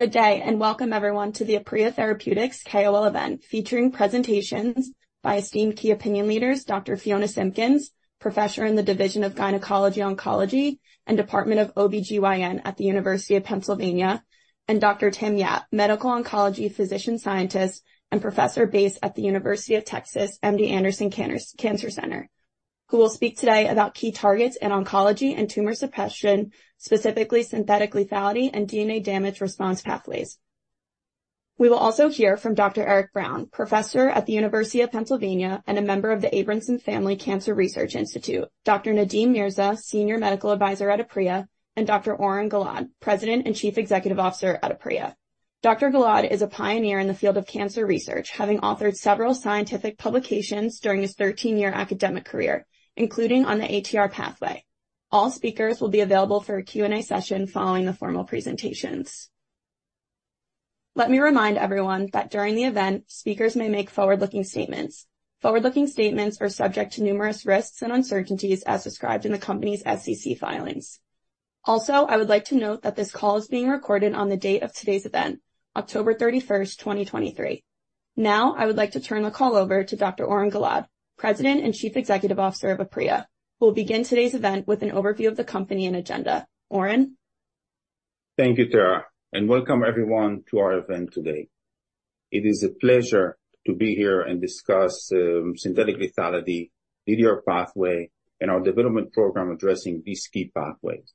Good day, and welcome everyone to the Aprea Therapeutics KOL event, featuring presentations by esteemed key opinion leaders, Dr. Fiona Simpkins, Professor in the Division of Gynecology Oncology and Department of OB-GYN at the University of Pennsylvania, and Dr. Tim Yap, Medical Oncology Physician, Scientist, and Professor based at the University of Texas MD Anderson Cancer Center, who will speak today about key targets in oncology and tumor suppression, specifically synthetic lethality and DNA damage response pathways. We will also hear from Dr. Eric Brown, Professor at the University of Pennsylvania, and a member of the Abramson Family Cancer Research Institute, Dr. Nadeem Mirza, Senior Medical Advisor at Aprea, and Dr. Oren Gilad, President and Chief Executive Officer at Aprea. Dr. Gilad is a pioneer in the field of cancer research, having authored several scientific publications during his thirteen-year academic career, including on the ATR pathway. All speakers will be available for a Q&A session following the formal presentations. Let me remind everyone that during the event, speakers may make forward-looking statements. Forward-looking statements are subject to numerous risks and uncertainties as described in the company's SEC filings. Also, I would like to note that this call is being recorded on the date of today's event, October 31st, 2023. Now, I would like to turn the call over to Dr. Oren Gilad, President and Chief Executive Officer of Aprea, who will begin today's event with an overview of the company and agenda. Oren? Thank you, Tara, and welcome everyone to our event today. It is a pleasure to be here and discuss synthetic lethality, DDR pathway, and our development program addressing these key pathways.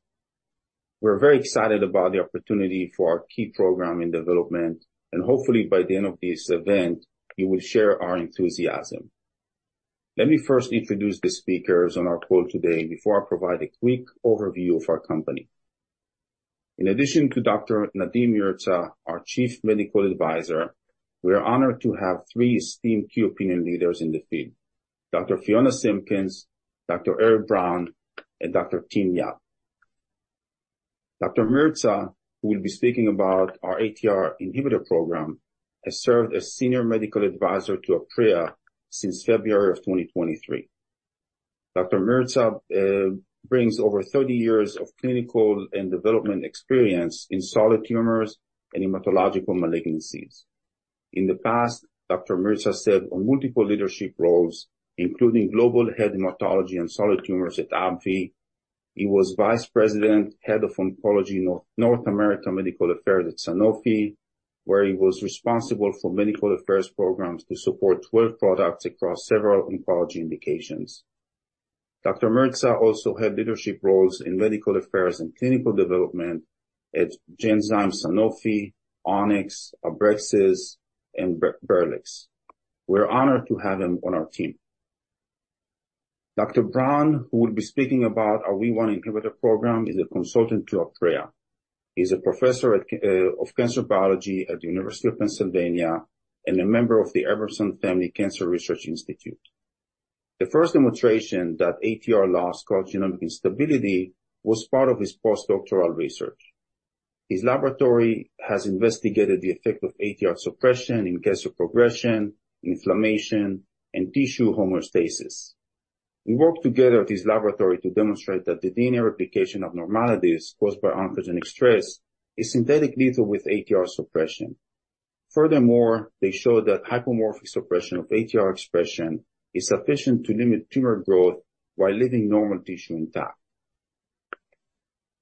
We're very excited about the opportunity for our key program in development, and hopefully by the end of this event, you will share our enthusiasm. Let me first introduce the speakers on our call today before I provide a quick overview of our company. In addition to Dr. Nadeem Mirza, our Senior Medical Advisor, we are honored to have three esteemed key opinion leaders in the field: Dr. Fiona Simpkins, Dr. Eric Brown, and Dr. Tim Yap. Dr. Mirza, who will be speaking about our ATR inhibitor program, has served as Senior Medical Advisor to Aprea since February 2023. Dr. Mirza brings over 30 years of clinical and development experience in solid tumors and hematological malignancies. In the past, Dr. Mirza served on multiple leadership roles, including Global Head Hematology and Solid Tumors at AbbVie. He was Vice President, Head of Oncology, North America Medical Affairs at Sanofi, where he was responsible for medical affairs programs to support 12 products across several oncology indications. Dr. Mirza also held leadership roles in medical affairs and clinical development at Genzyme, Sanofi, Onyx, AbbVie, and Berlex. We're honored to have him on our team. Dr. Brown, who will be speaking about our WEE1 inhibitor program, is a consultant to Aprea. He's a Professor of Cancer Biology at the University of Pennsylvania and a member of the Abramson Family Cancer Research Institute. The first demonstration that ATR loss caused genomic instability was part of his postdoctoral research. His laboratory has investigated the effect of ATR suppression in cancer progression, inflammation, and tissue homeostasis. We worked together at his laboratory to demonstrate that the DNA replication of abnormalities caused by oncogenic stress is synthetic lethal with ATR suppression. Furthermore, they showed that hypomorphic suppression of ATR expression is sufficient to limit tumor growth while leaving normal tissue intact.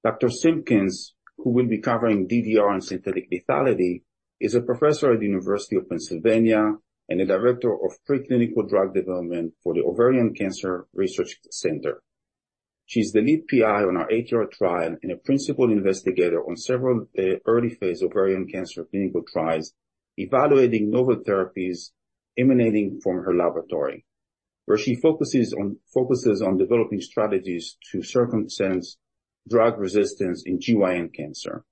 Dr. Simpkins, who will be covering DDR and synthetic lethality, is a professor at the University of Pennsylvania and a Director of Preclinical Drug Development for the Ovarian Cancer Research Center. She's the lead PI on our ATR trial and a principal investigator on several early-phase ovarian cancer clinical trials, evaluating novel therapies emanating from her laboratory, where she focuses on developing strategies to circumvent drug resistance in GYN cancer.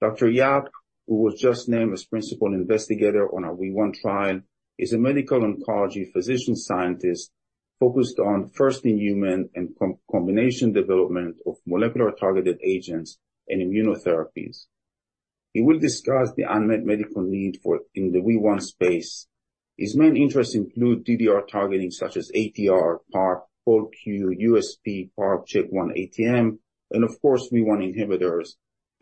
Dr. Yap, who was just named as principal investigator on our WEE1 trial, is a medical oncology physician-scientist focused on first-in-human and combination development of molecular-targeted agents and immunotherapies. He will discuss the unmet medical need in the WEE1 space. His main interests include DDR targeting, such as ATR, PARP, POLQ, USP1, PARP, CHK1, ATM, and of course, WEE1 inhibitors,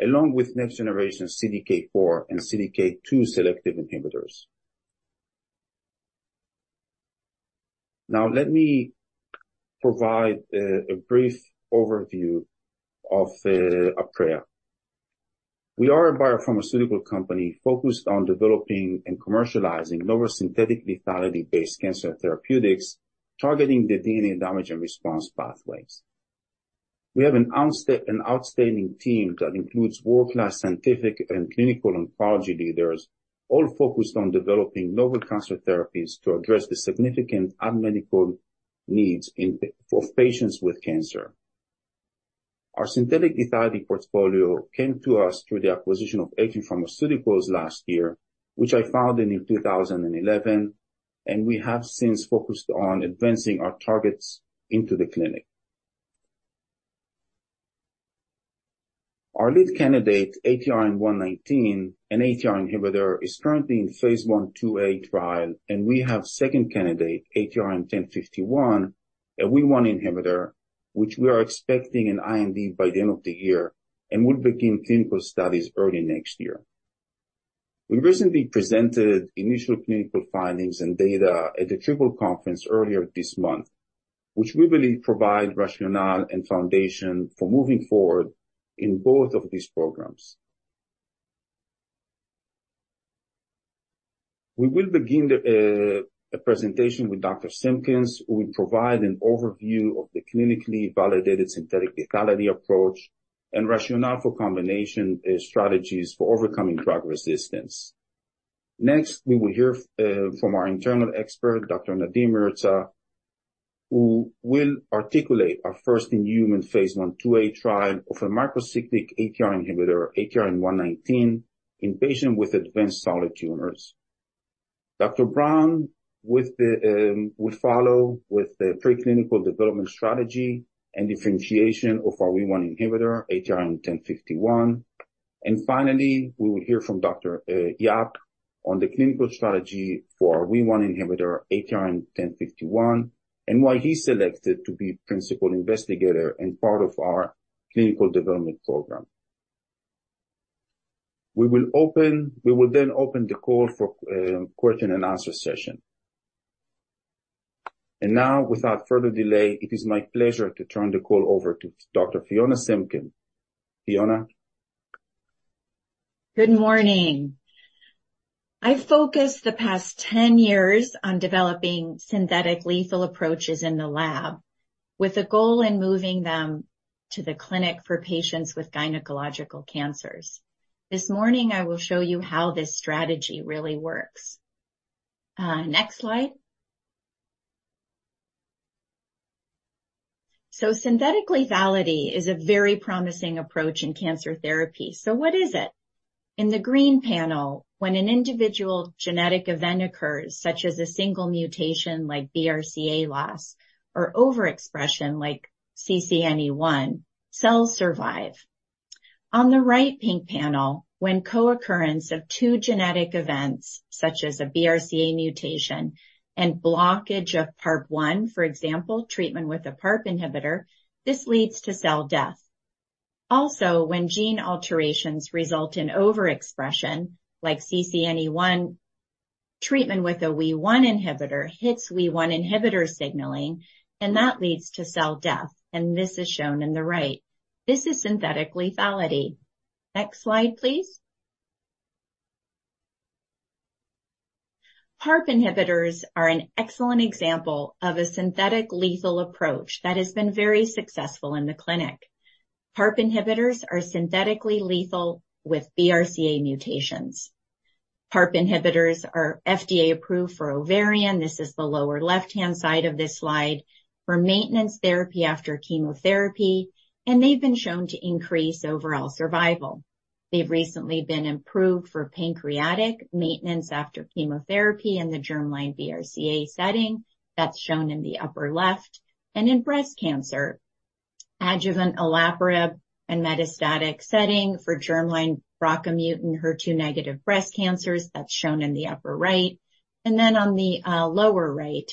along with next-generation CDK4 and CDK2 selective inhibitors. Now, let me provide a brief overview of Aprea. We are a biopharmaceutical company focused on developing and commercializing novel synthetic lethality-based cancer therapeutics targeting the DNA damage response pathways. We have an outstanding team that includes world-class scientific and clinical oncology leaders, all focused on developing novel cancer therapies to address the significant unmet medical needs in for patients with cancer. Our synthetic lethality portfolio came to us through the acquisition of Atrin Pharmaceuticals last year, which I founded in 2011, and we have since focused on advancing our targets into the clinic. Our lead candidate, ATRN-119, an ATR inhibitor, is currently in phase I, II-A trial, and we have second candidate, APR-1051, a WEE1 inhibitor, which we are expecting an IND by the end of the year, and we'll begin clinical studies early next year. We recently presented initial clinical findings and data at the Triple Meeting earlier this month, which we believe provide rationale and foundation for moving forward in both of these programs. We will begin the presentation with Dr. Simpkins, who will provide an overview of the clinically validated synthetic lethality approach and rationale for combination strategies for overcoming drug resistance. Next, we will hear from our internal expert, Dr. Nadeem Mirza, who will articulate our first-in-human phase I, II-A trial of a macrocyclic ATR inhibitor, ATRN-119, in patients with advanced solid tumors. Dr. Brown will follow with the preclinical development strategy and differentiation of our WEE1 inhibitor, APR-1051. And finally, we will hear from Dr. Yap on the clinical strategy for our WEE1 inhibitor, APR-1051, and why he selected to be principal investigator and part of our clinical development program. We will then open the call for question and answer session. And now, without further delay, it is my pleasure to turn the call over to Dr. Fiona Simpkins. Fiona? Good morning. I've focused the past 10 years on developing synthetic lethal approaches in the lab, with a goal in moving them to the clinic for patients with gynecological cancers. This morning, I will show you how this strategy really works. Next slide. So synthetic lethality is a very promising approach in cancer therapy. So what is it? In the green panel, when an individual genetic event occurs, such as a single mutation like BRCA loss or overexpression like CCNE1, cells survive. On the right pink panel, when co-occurrence of two genetic events, such as a BRCA mutation and blockage of PARP1, for example, treatment with a PARP inhibitor, this leads to cell death. Also, when gene alterations result in overexpression, like CCNE1, treatment with a WEE1 inhibitor hits WEE1 inhibitor signaling, and that leads to cell death, and this is shown in the right. This is synthetic lethality. Next slide, please. PARP inhibitors are an excellent example of a synthetic lethal approach that has been very successful in the clinic. PARP inhibitors are synthetically lethal with BRCA mutations. PARP inhibitors are FDA-approved for ovarian, this is the lower left-hand side of this slide, for maintenance therapy after chemotherapy, and they've been shown to increase overall survival. They've recently been approved for pancreatic maintenance after chemotherapy in the germline BRCA setting - that's shown in the upper left - and in breast cancer. Adjuvant olaparib in metastatic setting for germline BRCA mutant, HER2 negative breast cancers, that's shown in the upper right. And then on the lower right,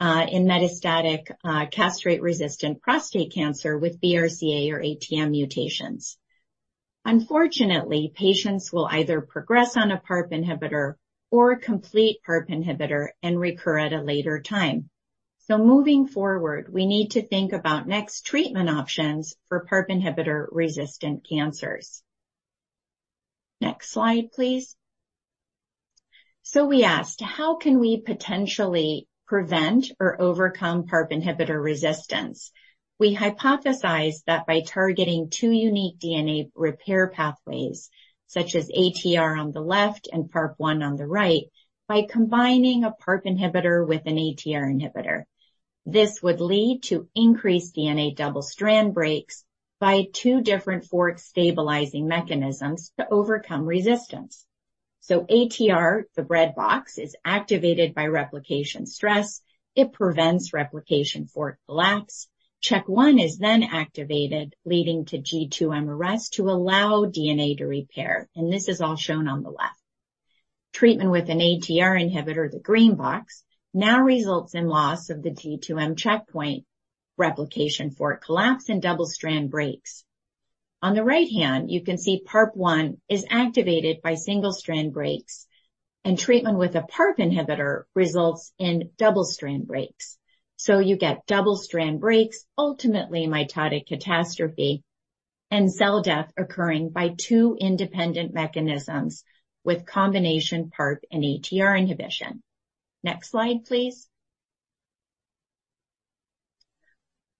in metastatic castrate-resistant prostate cancer with BRCA or ATM mutations. Unfortunately, patients will either progress on a PARP inhibitor or complete PARP inhibitor and recur at a later time. So moving forward, we need to think about next treatment options for PARP inhibitor-resistant cancers. Next slide, please. We asked: How can we potentially prevent or overcome PARP inhibitor resistance? We hypothesized that by targeting two unique DNA repair pathways, such as ATR on the left and PARP-1 on the right, by combining a PARP inhibitor with an ATR inhibitor, this would lead to increased DNA double-strand breaks by two different fork-stabilizing mechanisms to overcome resistance. So ATR, the red box, is activated by replication stress. It prevents replication fork collapse. CHK1 is then activated, leading to G2/M arrest to allow DNA to repair, and this is all shown on the left. Treatment with an ATR inhibitor, the green box, now results in loss of the G2/M checkpoint replication fork collapse and double-strand breaks. On the right hand, you can see PARP-1 is activated by single-strand breaks, and treatment with a PARP inhibitor results in double-strand breaks. So you get double-strand breaks, ultimately mitotic catastrophe and cell death occurring by two independent mechanisms with combination PARP and ATR inhibition. Next slide, please.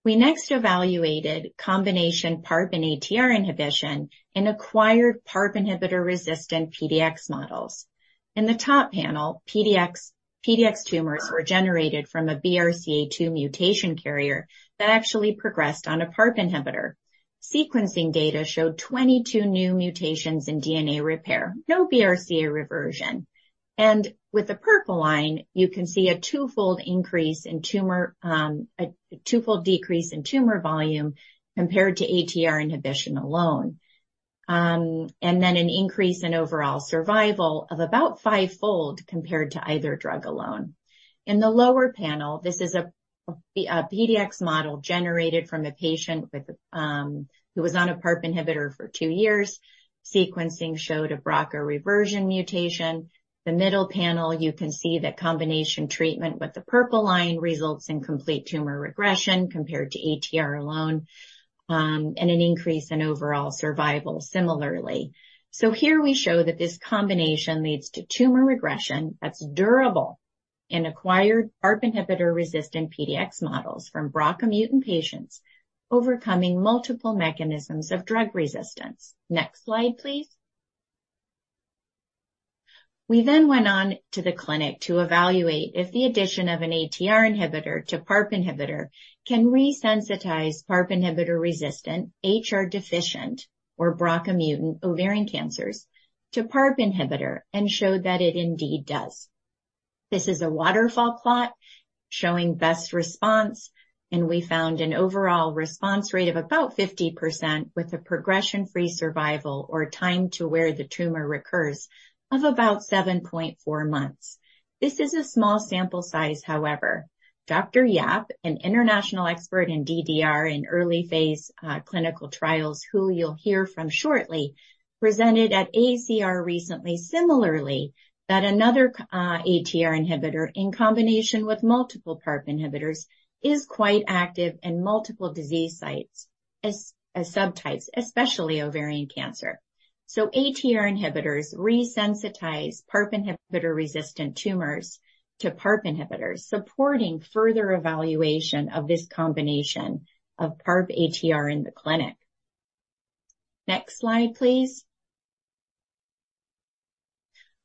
We next evaluated combination PARP and ATR inhibition in acquired PARP inhibitor-resistant PDX models. In the top panel, PDX, PDX tumors were generated from a BRCA2 mutation carrier that actually progressed on a PARP inhibitor. Sequencing data showed 22 new mutations in DNA repair, no BRCA reversion. And with the purple line, you can see a twofold increase in tumor, a twofold decrease in tumor volume compared to ATR inhibition alone.... And then an increase in overall survival of about fivefold compared to either drug alone. In the lower panel, this is a PDX model generated from a patient with who was on a PARP inhibitor for two years. Sequencing showed a BRCA reversion mutation. The middle panel, you can see that combination treatment with the purple line results in complete tumor regression compared to ATR alone, and an increase in overall survival similarly. So here we show that this combination leads to tumor regression that's durable in acquired PARP inhibitor-resistant PDX models from BRCA mutant patients, overcoming multiple mechanisms of drug resistance. Next slide, please. We then went on to the clinic to evaluate if the addition of an ATR inhibitor to PARP inhibitor can resensitize PARP inhibitor-resistant, HR deficient or BRCA mutant ovarian cancers to PARP inhibitor and showed that it indeed does. This is a waterfall plot showing best response, and we found an overall response rate of about 50%, with a progression-free survival or time to where the tumor recurs, of about 7.4 months. This is a small sample size, however. Dr. Yap, an international expert in DDR in early phase clinical trials, who you'll hear from shortly, presented at AACR recently, similarly, that another ATR inhibitor in combination with multiple PARP inhibitors is quite active in multiple disease sites as, as subtypes, especially ovarian cancer. So ATR inhibitors resensitize PARP inhibitor-resistant tumors to PARP inhibitors, supporting further evaluation of this combination of PARP ATR in the clinic. Next slide, please.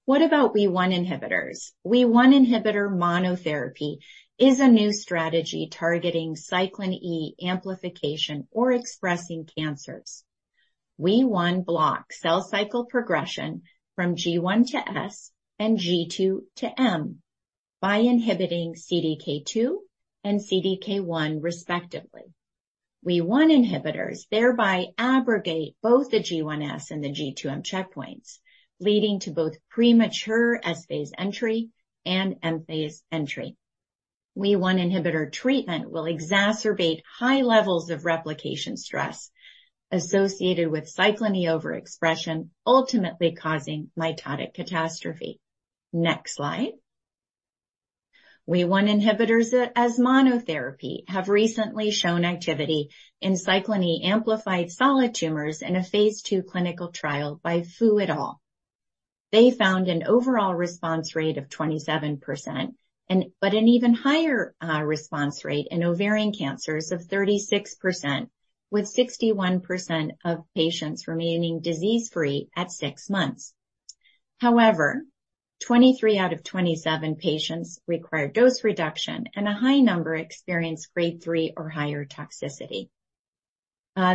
What about WEE1 inhibitors? WEE1 inhibitor monotherapy is a new strategy targeting cyclin E amplification or expressing cancers. WEE1 blocks cell cycle progression from G1 to S and G2 to M by inhibiting CDK2 and CDK1, respectively. WEE1 inhibitors thereby abrogate both the G1/S and the G2/M checkpoints, leading to both premature S phase entry and M phase entry. WEE1 inhibitor treatment will exacerbate high levels of replication stress associated with cyclin E overexpression, ultimately causing mitotic catastrophe. Next slide. WEE1 inhibitors as monotherapy have recently shown activity in cyclin E amplified solid tumors in a phase II clinical trial by Fu et al. They found an overall response rate of 27% and but an even higher response rate in ovarian cancers of 36%, with 61% of patients remaining disease-free at six months. However, 23 out of 27 patients required dose reduction, and a high number experienced Grade 3 or higher toxicity.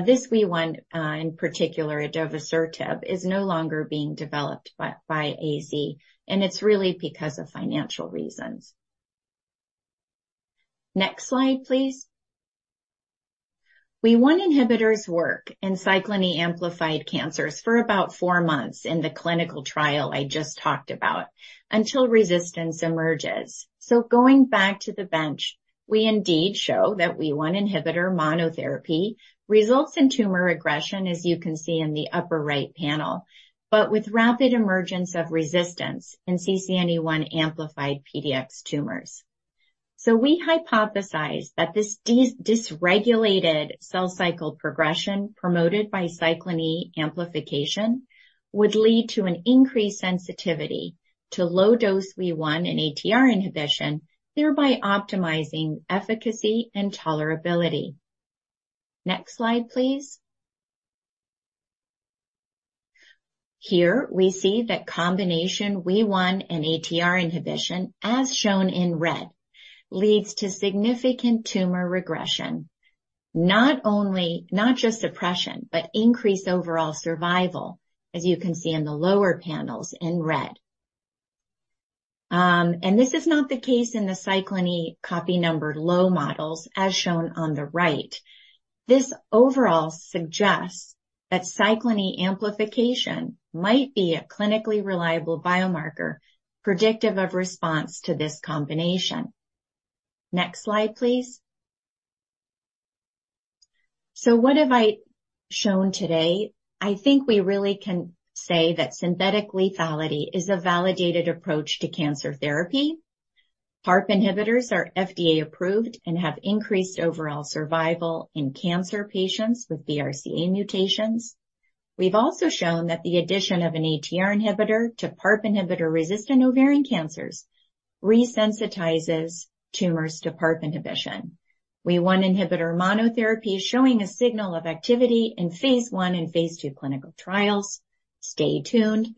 This WEE1, in particular, adavosertib, is no longer being developed by AZ, and it's really because of financial reasons. Next slide, please. WEE1 inhibitors work in cyclin E amplified cancers for about four months in the clinical trial I just talked about, until resistance emerges. So going back to the bench, we indeed show that WEE1 inhibitor monotherapy results in tumor regression, as you can see in the upper right panel, but with rapid emergence of resistance in CCNE1 amplified PDX tumors. So we hypothesized that this dysregulated cell cycle progression, promoted by cyclin E amplification, would lead to an increased sensitivity to low-dose WEE1 and ATR inhibition, thereby optimizing efficacy and tolerability. Next slide, please. Here we see that combination WEE1 and ATR inhibition, as shown in red, leads to significant tumor regression. Not only, not just depression, but increased overall survival, as you can see in the lower panels in red. And this is not the case in the cyclin E copy number low models, as shown on the right. This overall suggests that cyclin E amplification might be a clinically reliable biomarker predictive of response to this combination. Next slide, please. So what have I shown today? I think we really can say that synthetic lethality is a validated approach to cancer therapy. PARP inhibitors are FDA-approved and have increased overall survival in cancer patients with BRCA mutations. We've also shown that the addition of an ATR inhibitor to PARP inhibitor-resistant ovarian cancers resensitizes tumors to PARP inhibition. WEE1 inhibitor monotherapy is showing a signal of activity in phase I and phase II clinical trials. Stay tuned.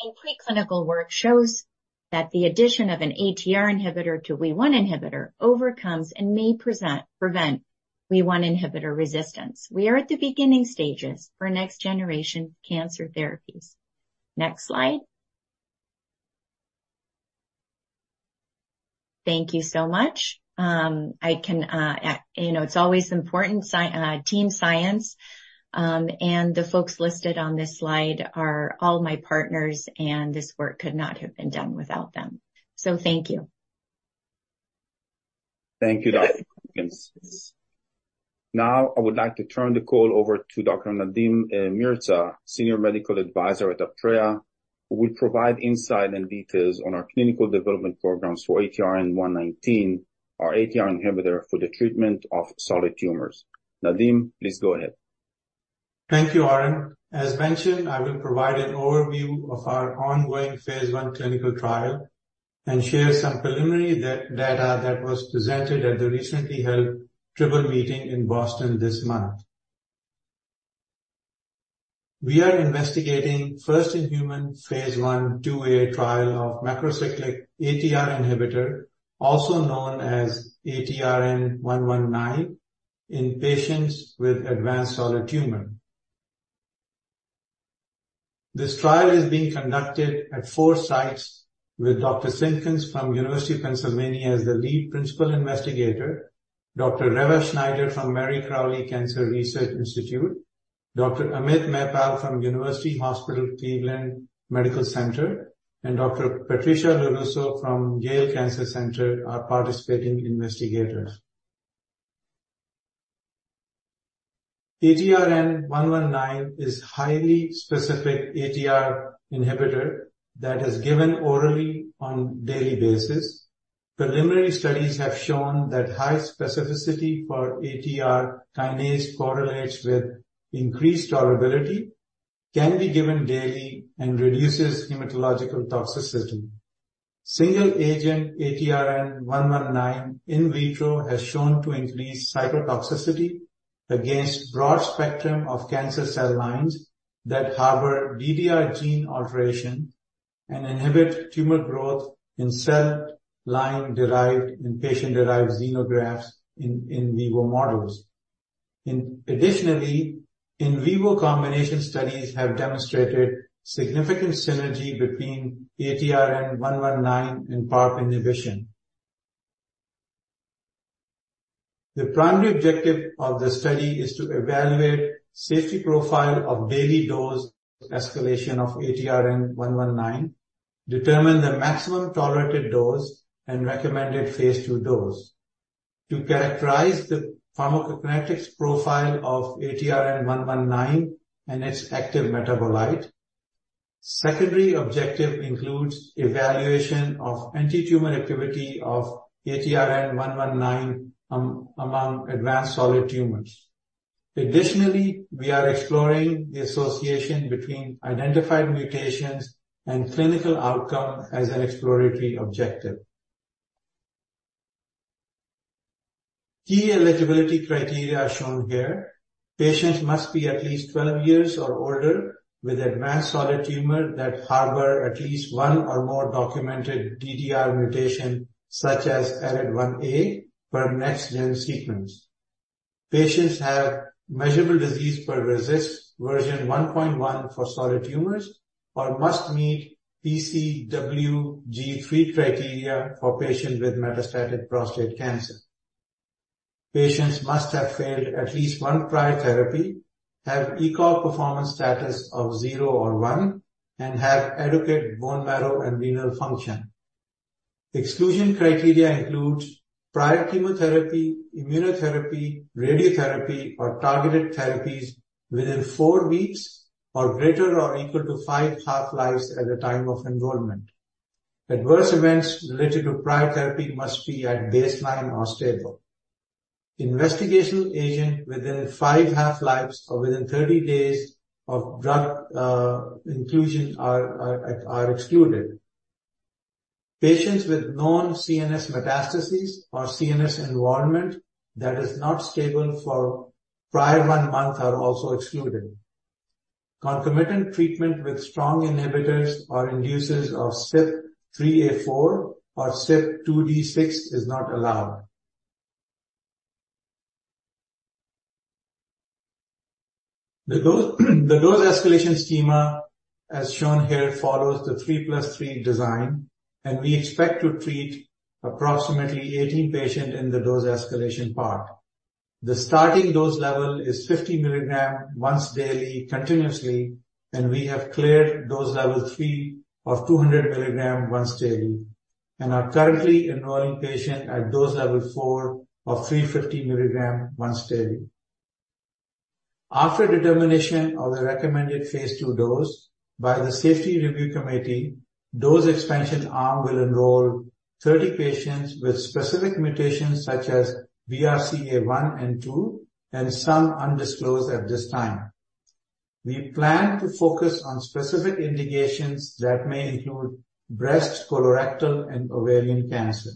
Preclinical work shows that the addition of an ATR inhibitor to WEE1 inhibitor overcomes and may present... prevent WEE1 inhibitor resistance. We are at the beginning stages for next-generation cancer therapies. Next slide. Thank you so much. I can, you know, it's always important team science, and the folks listed on this slide are all my partners, and this work could not have been done without them. So thank you. Thank you, Dr. Simpkins. Now, I would like to turn the call over to Dr. Nadeem Mirza, Senior Medical Advisor at Aprea Therapeutics, who will provide insight and details on our clinical development programs for ATRN-119, our ATR inhibitor for the treatment of solid tumors. Nadeem, please go ahead. Thank you, Oren. As mentioned, I will provide an overview of our ongoing phase I clinical trial and share some preliminary data that was presented at the recently held Triple Meeting in Boston this month. We are investigating first in human phase I, II-A trial of macrocyclic ATR inhibitor, also known as ATRN-119, in patients with advanced solid tumor. This trial is being conducted at four sites with Dr. Simpkins from University of Pennsylvania as the lead principal investigator, Dr. Reva Schneider from Mary Crowley Cancer Research Institute, Dr. Amit Mahipal from University Hospital Cleveland Medical Center, and Dr. Patricia LoRusso from Yale Cancer Center, our participating investigators. ATRN-119 is highly specific ATR inhibitor that is given orally on daily basis. Preliminary studies have shown that high specificity for ATR kinase correlates with increased tolerability, can be given daily, and reduces hematological toxicity. Single agent ATRN-119 in vitro has shown to increase cytotoxicity against broad spectrum of cancer cell lines that harbor DDR gene alteration and inhibit tumor growth in cell line-derived and patient-derived xenografts in in vivo models. In addition, in vivo combination studies have demonstrated significant synergy between ATRN-119 and PARP inhibition. The primary objective of the study is to evaluate safety profile of daily dose escalation of ATRN-119, determine the maximum tolerated dose, and recommended phase II dose. To characterize the pharmacokinetics profile of ATRN-119 and its active metabolite. Secondary objective includes evaluation of antitumor activity of ATRN-119 among advanced solid tumors. Additionally, we are exploring the association between identified mutations and clinical outcome as an exploratory objective. Key eligibility criteria are shown here. Patients must be at least 12 years or older with advanced solid tumor that harbor at least one or more documented DDR mutation, such as ARID1A per Next Gen sequence. Patients have measurable disease per RECIST version 1.1 for solid tumors or must meet PCWG-3 criteria for patients with metastatic prostate cancer. Patients must have failed at least one prior therapy, have ECOG performance status of zero or one, and have adequate bone marrow and renal function. Exclusion criteria includes prior chemotherapy, immunotherapy, radiotherapy, or targeted therapies within four weeks or greater or equal to five half-lives at the time of enrollment. Adverse events related to prior therapy must be at baseline or stable. Investigational agent within five half-lives or within 30 days of drug inclusion are excluded. Patients with known CNS metastases or CNS involvement that is not stable for prior 1 month are also excluded. Concomitant treatment with strong inhibitors or inducers of CYP3A4 or CYP2D6 is not allowed. The dose, the dose escalation schema, as 3+3 design, and we expect to treat approximately 18 patients in the dose escalation part. The starting dose level is 50 milligrams once daily, continuously, and we have cleared dose level three of 200 milligrams once daily, and are currently enrolling patients at dose level four of 350 milligrams once daily. After determination of the recommended phase II dose by the Safety Review Committee, dose expansion arm will enroll 30 patients with specific mutations such as BRCA1 and BRCA2, and some undisclosed at this time. We plan to focus on specific indications that may include breast, colorectal, and ovarian cancer.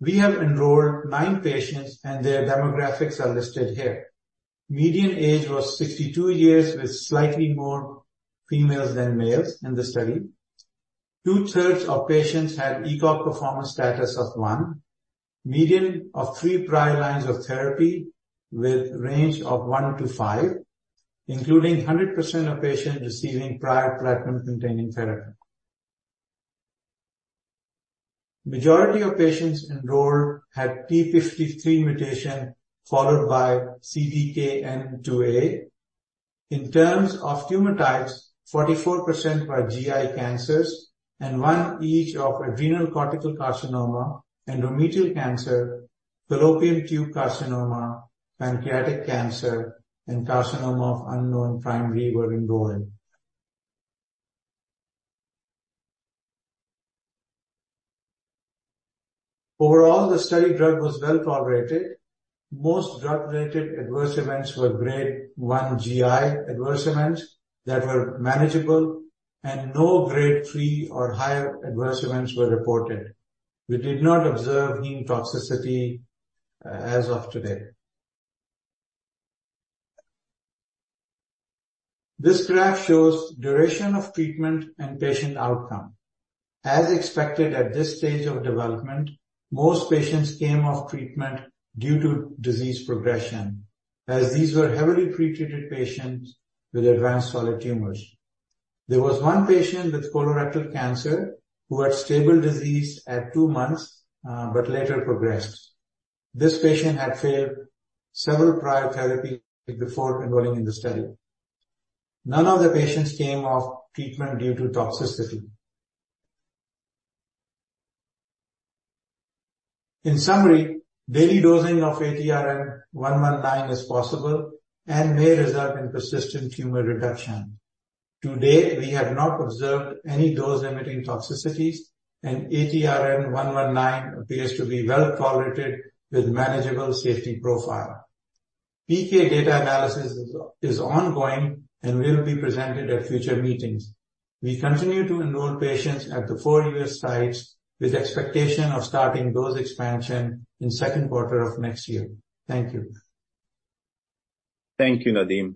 We have enrolled nine patients, and their demographics are listed here. Median age was 62 years, with slightly more females than males in the study. Two-thirds of patients had ECOG performance status of one. Median of three prior lines of therapy with range of one to five, including 100% of patients receiving prior platinum-containing therapy. Majority of patients enrolled had p53 mutation, followed by CDKN2A. In terms of tumor types, 44% were GI cancers and one each of adrenal cortical carcinoma, endometrial cancer, fallopian tube carcinoma, pancreatic cancer, and carcinoma of unknown primary were enrolled. Overall, the study drug was well tolerated. Most drug-related adverse events were Grade 1 GI adverse events that were manageable, and no Grade 3 or higher adverse events were reported. We did not observe heme toxicity as of today. This graph shows duration of treatment and patient outcome. As expected, at this stage of development, most patients came off treatment due to disease progression, as these were heavily pretreated patients with advanced solid tumors. There was one patient with colorectal cancer who had stable disease at two months but later progressed. This patient had failed several prior therapy before enrolling in the study. None of the patients came off treatment due to toxicity. In summary, daily dosing of ATRN-119 is possible and may result in persistent tumor reduction. To date, we have not observed any dose-limiting toxicities, and ATRN-119 appears to be well tolerated with manageable safety profile. PK data analysis is ongoing and will be presented at future meetings. We continue to enroll patients at the four U.S. sites with expectation of starting dose expansion in second quarter of next year. Thank you. Thank you, Nadeem.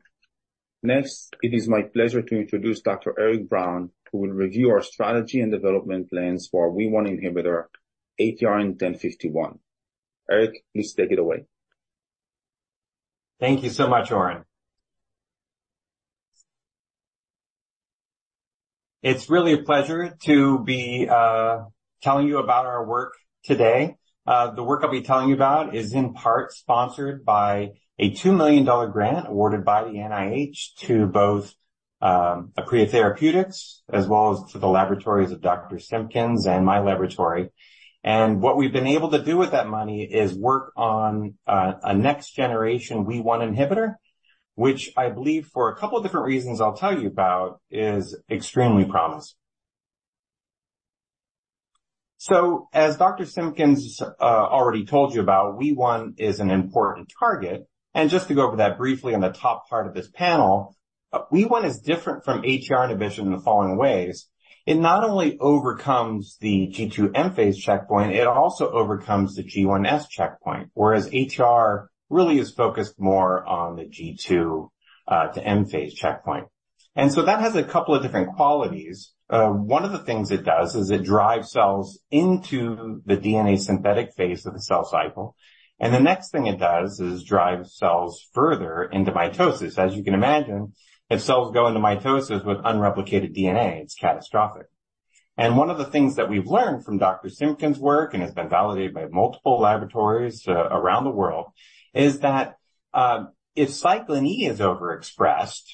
Next, it is my pleasure to introduce Dr. Eric Brown, who will review our strategy and development plans for WEE1 inhibitor, APR-1051. Eric, please take it away. Thank you so much, Oren. It's really a pleasure to be telling you about our work today. The work I'll be telling you about is in part sponsored by a $2 million grant awarded by the NIH to both Aprea Therapeutics, as well as to the laboratories of Dr. Simpkins and my laboratory. What we've been able to do with that money is work on a next-generation WEE1 inhibitor, which I believe for a couple of different reasons I'll tell you about, is extremely promising. So as Dr. Simpkins already told you about, WEE1 is an important target. Just to go over that briefly on the top part of this panel, WEE1 is different from ATR inhibition in the following ways. It not only overcomes the G2/M phase checkpoint, it also overcomes the G1/S checkpoint. Whereas ATR really is focused more on the G2 to M phase checkpoint. And so that has a couple of different qualities. One of the things it does is it drives cells into the DNA synthetic phase of the cell cycle, and the next thing it does is drive cells further into mitosis. As you can imagine, if cells go into mitosis with unreplicated DNA, it's catastrophic. And one of the things that we've learned from Dr. Simpkins' work, and it's been validated by multiple laboratories around the world, is that, if cyclin E is overexpressed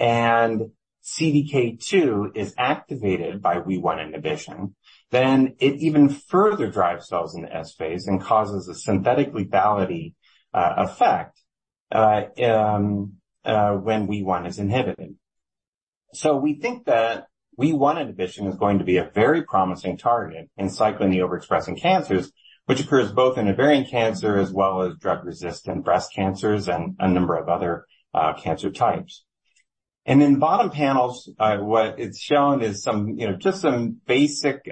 and CDK2 is activated by WEE1 inhibition, then it even further drives cells in the S phase and causes a synthetic lethality effect when WEE1 is inhibited. So we think that WEE1 inhibition is going to be a very promising target in cyclin E overexpressing cancers, which occurs both in ovarian cancer as well as drug-resistant breast cancers and a number of other cancer types. In the bottom panels, what it's showing is some, you know, just some basic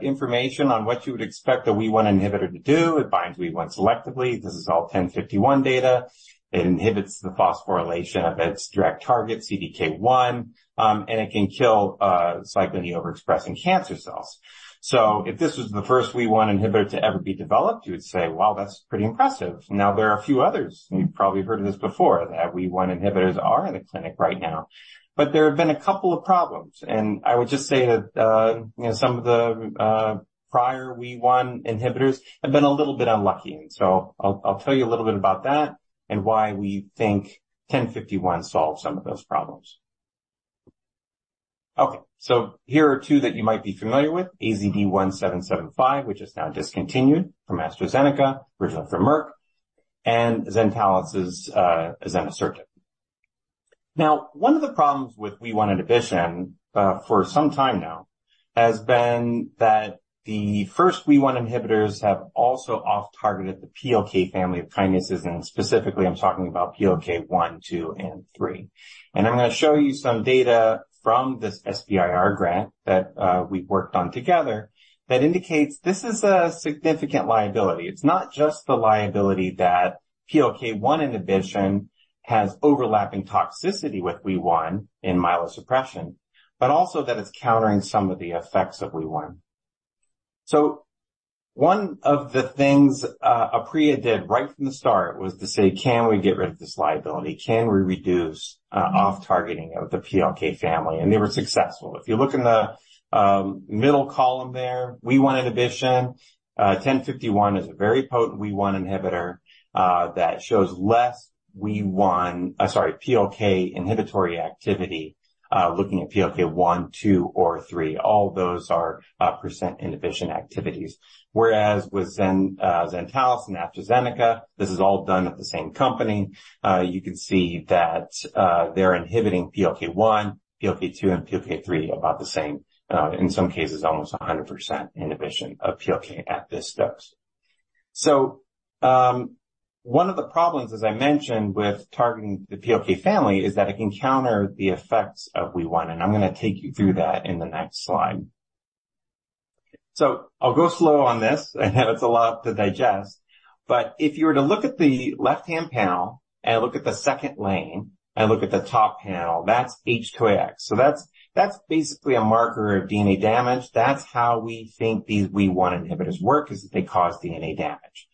information on what you would expect a WEE1 inhibitor to do. It binds WEE1 selectively. This is all APR-1051 data. It inhibits the phosphorylation of its direct target, CDK1, and it can kill cyclin E overexpressing cancer cells. So if this was the first WEE1 inhibitor to ever be developed, you would say, "Wow, that's pretty impressive." Now, there are a few others, and you've probably heard of this before, that WEE1 inhibitors are in the clinic right now. But there have been a couple of problems, and I would just say that, you know, some of the prior WEE1 inhibitors have been a little bit unlucky. And so I'll, I'll tell you a little bit about that and why we think APR-1051 solves some of those problems. Okay, so here are two that you might be familiar with. AZD1775, which is now discontinued from AstraZeneca, originally from Merck, and Zentalis's zennasertib. Now, one of the problems with WEE1 inhibition for some time now has been that the first WEE1 inhibitors have also off-targeted the PLK family of kinases, and specifically, I'm talking about PLK1, PLK2, and PLK3. And I'm going to show you some data from this SBIR grant that we've worked on together that indicates this is a significant liability. It's not just the liability that PLK1 inhibition has overlapping toxicity with WEE1 in myelosuppression, but also that it's countering some of the effects of WEE1. One of the things Aprea did right from the start was to say: Can we get rid of this liability? Can we reduce off-targeting of the PLK family? And they were successful. If you look in the middle column there, WEE1 inhibition, 1051 is a very potent WEE1 inhibitor that shows less WEE1—sorry, PLK inhibitory activity looking at PLK1, 2, or 3. All those are percent inhibition activities. Whereas with zennasertib, Zentalis and AstraZeneca, this is all done at the same company. You can see that they're inhibiting PLK1, PLK2, and PLK3 about the same, in some cases, almost 100% inhibition of PLK at this dose. So, one of the problems, as I mentioned, with targeting the PLK family, is that it can counter the effects of WEE1, and I'm going to take you through that in the next slide. So I'll go slow on this. I know it's a lot to digest, but if you were to look at the left-hand panel and look at the second lane and look at the top panel, that's H2AX. So that's basically a marker of DNA damage. That's how we think these WEE1 inhibitors work, is that they cause DNA damage.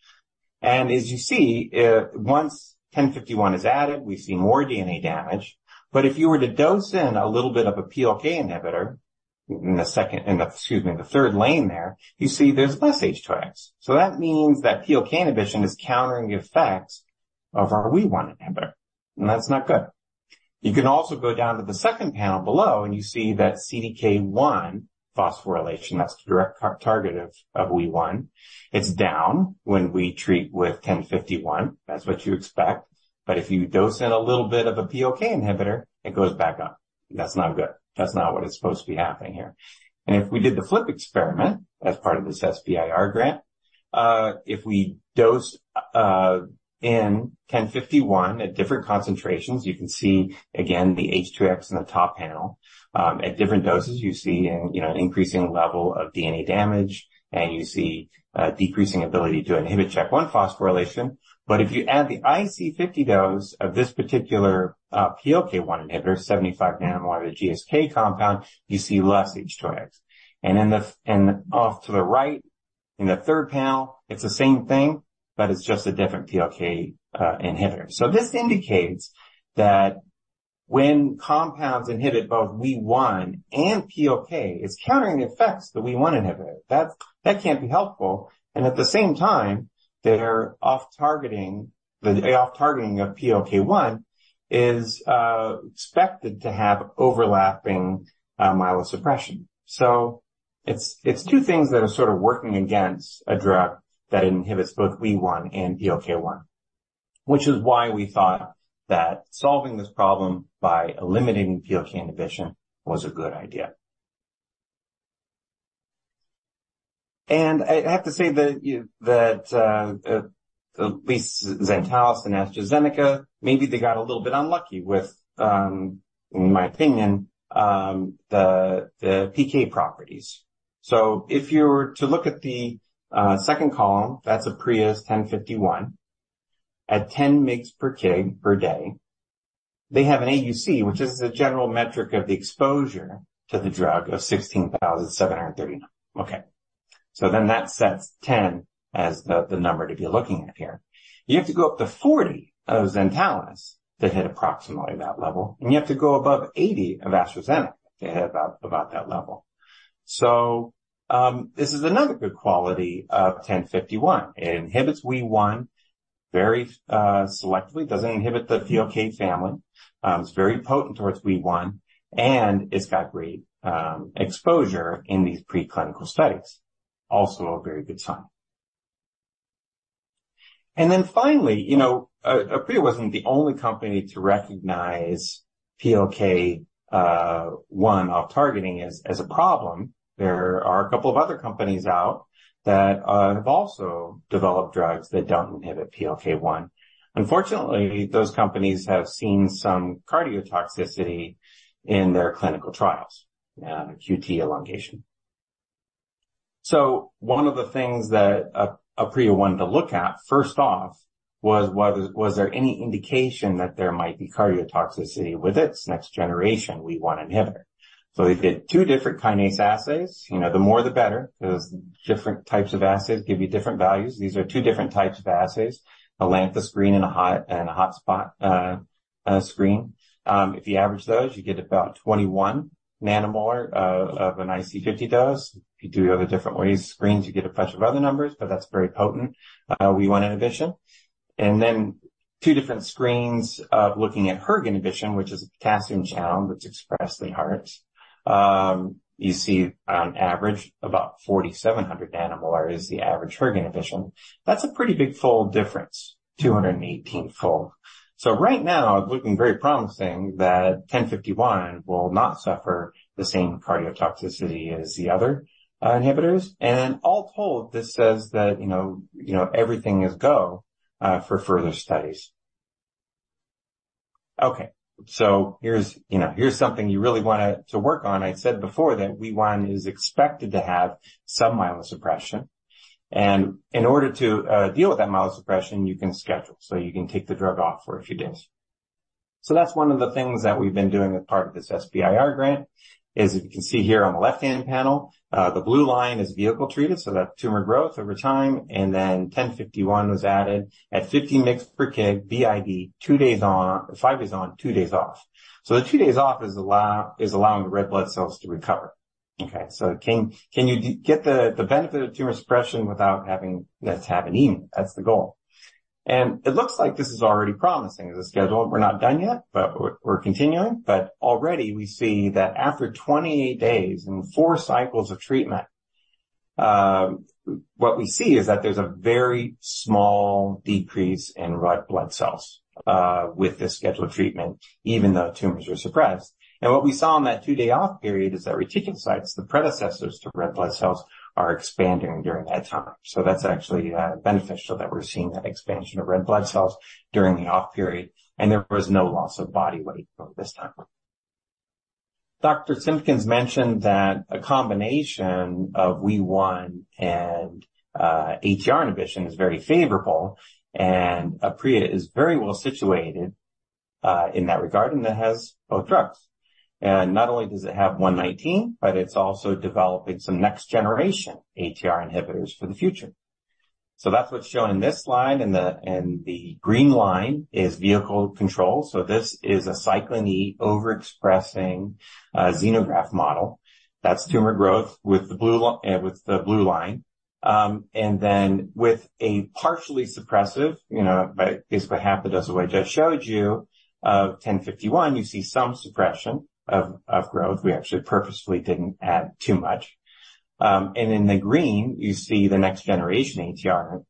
And as you see, once 1051 is added, we see more DNA damage. But if you were to dose in a little bit of a PLK inhibitor in the second, excuse me, in the third lane there, you see there's less H2AX. So that means that PLK inhibition is countering the effects of our WEE1 inhibitor, and that's not good. You can also go down to the second panel below, and you see that CDK1 phosphorylation, that's the direct target of WEE1. It's down when we treat with 1051. That's what you expect. But if you dose in a little bit of a PLK inhibitor, it goes back up. That's not good. That's not what is supposed to be happening here. And if we did the flip experiment as part of this SBIR grant, if we dose in 1051 at different concentrations, you can see, again, the H2AX in the top panel. At different doses, you see, you know, an increasing level of DNA damage, and you see a decreasing ability to inhibit CHK1 phosphorylation. But if you add the IC50 dose of this particular PLK1 inhibitor, 75 nanomolar, the GSK compound, you see less H2AX. And off to the right, in the third panel, it's the same thing, but it's just a different PLK inhibitor. So this indicates that when compounds inhibit both WEE1 and PLK, it's countering the effects of the WEE1 inhibitor. That can't be helpful, and at the same time, they're off-targeting, the off-targeting of PLK1 is expected to have overlapping myelosuppression. So it's two things that are sort of working against a drug that inhibits both WEE1 and PLK-one, which is why we thought that solving this problem by eliminating PLK inhibition was a good idea. And I have to say that at least Zentalis and AstraZeneca, maybe they got a little bit unlucky with, in my opinion, the PK properties. So if you were to look at the second column, that's Aprea's APR-1051. At 10 mg per kg per day, they have an AUC, which is the general metric of the exposure to the drug, of 16,739. Okay, so then that sets 10 as the number to be looking at here. You have to go up to 40 of Zentalis to hit approximately that level, and you have to go above 80 of AstraZeneca to hit about that level. So, this is another good quality of 1051. It inhibits WEE1 very selectively, doesn't inhibit the PLK family, it's very potent towards WEE1, and it's got great exposure in these preclinical studies. Also, a very good sign. And then finally, you know, Aprea wasn't the only company to recognize PLK1 off-targeting as a problem. There are a couple of other companies out there that have also developed drugs that don't inhibit PLK1. Unfortunately, those companies have seen some cardiotoxicity in their clinical trials, QT prolongation. So one of the things that Aprea wanted to look at, first off, was there any indication that there might be cardiotoxicity with its next generation WEE1 inhibitor? So they did two different kinase assays. You know, the more, the better, because different types of assays give you different values. These are two different types of assays, a LanthaScreen and a HotSpot screen. If you average those, you get about 21 nanomolar of an IC50 dose. If you do the other different ways of screens, you get a bunch of other numbers, but that's very potent WEE1 inhibition. And then two different screens looking at hERG inhibition, which is a potassium channel that's expressed in the heart. You see on average about 4,700 nanomolar is the average hERG inhibition. That's a pretty big fold difference, 218-fold. So right now, it's looking very promising that 1051 will not suffer the same cardiotoxicity as the other inhibitors. And all told, this says that, you know, you know, everything is go for further studies. Okay, so here's, you know, here's something you really want to, to work on. I said before that WEE1 is expected to have some myelosuppression, and in order to deal with that myelosuppression, you can schedule, so you can take the drug off for a few days. So that's one of the things that we've been doing as part of this SBIR grant, is, as you can see here on the left-hand panel, the blue line is vehicle-treated, so that's tumor growth over time, and then 1051 was added at 50 mg per kg BID, two days on—five days on, two days off. So the two days off is allowing the red blood cells to recover. Okay, so can you get the benefit of tumor suppression without having to have anemia? That's the goal. And it looks like this is already promising, as a schedule. We're not done yet, but we're continuing. Already we see that after 28 days and four cycles of treatment, what we see is that there's a very small decrease in red blood cells with this schedule of treatment, even though tumors are suppressed. And what we saw in that two-day off period is that reticulocytes, the predecessors to red blood cells, are expanding during that time. So that's actually beneficial that we're seeing that expansion of red blood cells during the off period, and there was no loss of body weight during this time. Dr. Simpkins mentioned that a combination of WEE1 and ATR inhibition is very favorable, and Aprea is very well situated in that regard, and that has both drugs. And not only does it have ATRN-119, but it's also developing some next-generation ATR inhibitors for the future. So that's what's shown in this slide, and the green line is vehicle control. So this is a cyclin E overexpressing xenograft model. That's tumor growth with the blue line, with the blue line. And then with a partially suppressive, you know, by basically half the dose of what I just showed you, of 1051, you see some suppression of growth. We actually purposefully didn't add too much. And in the green, you see the next-generation ATR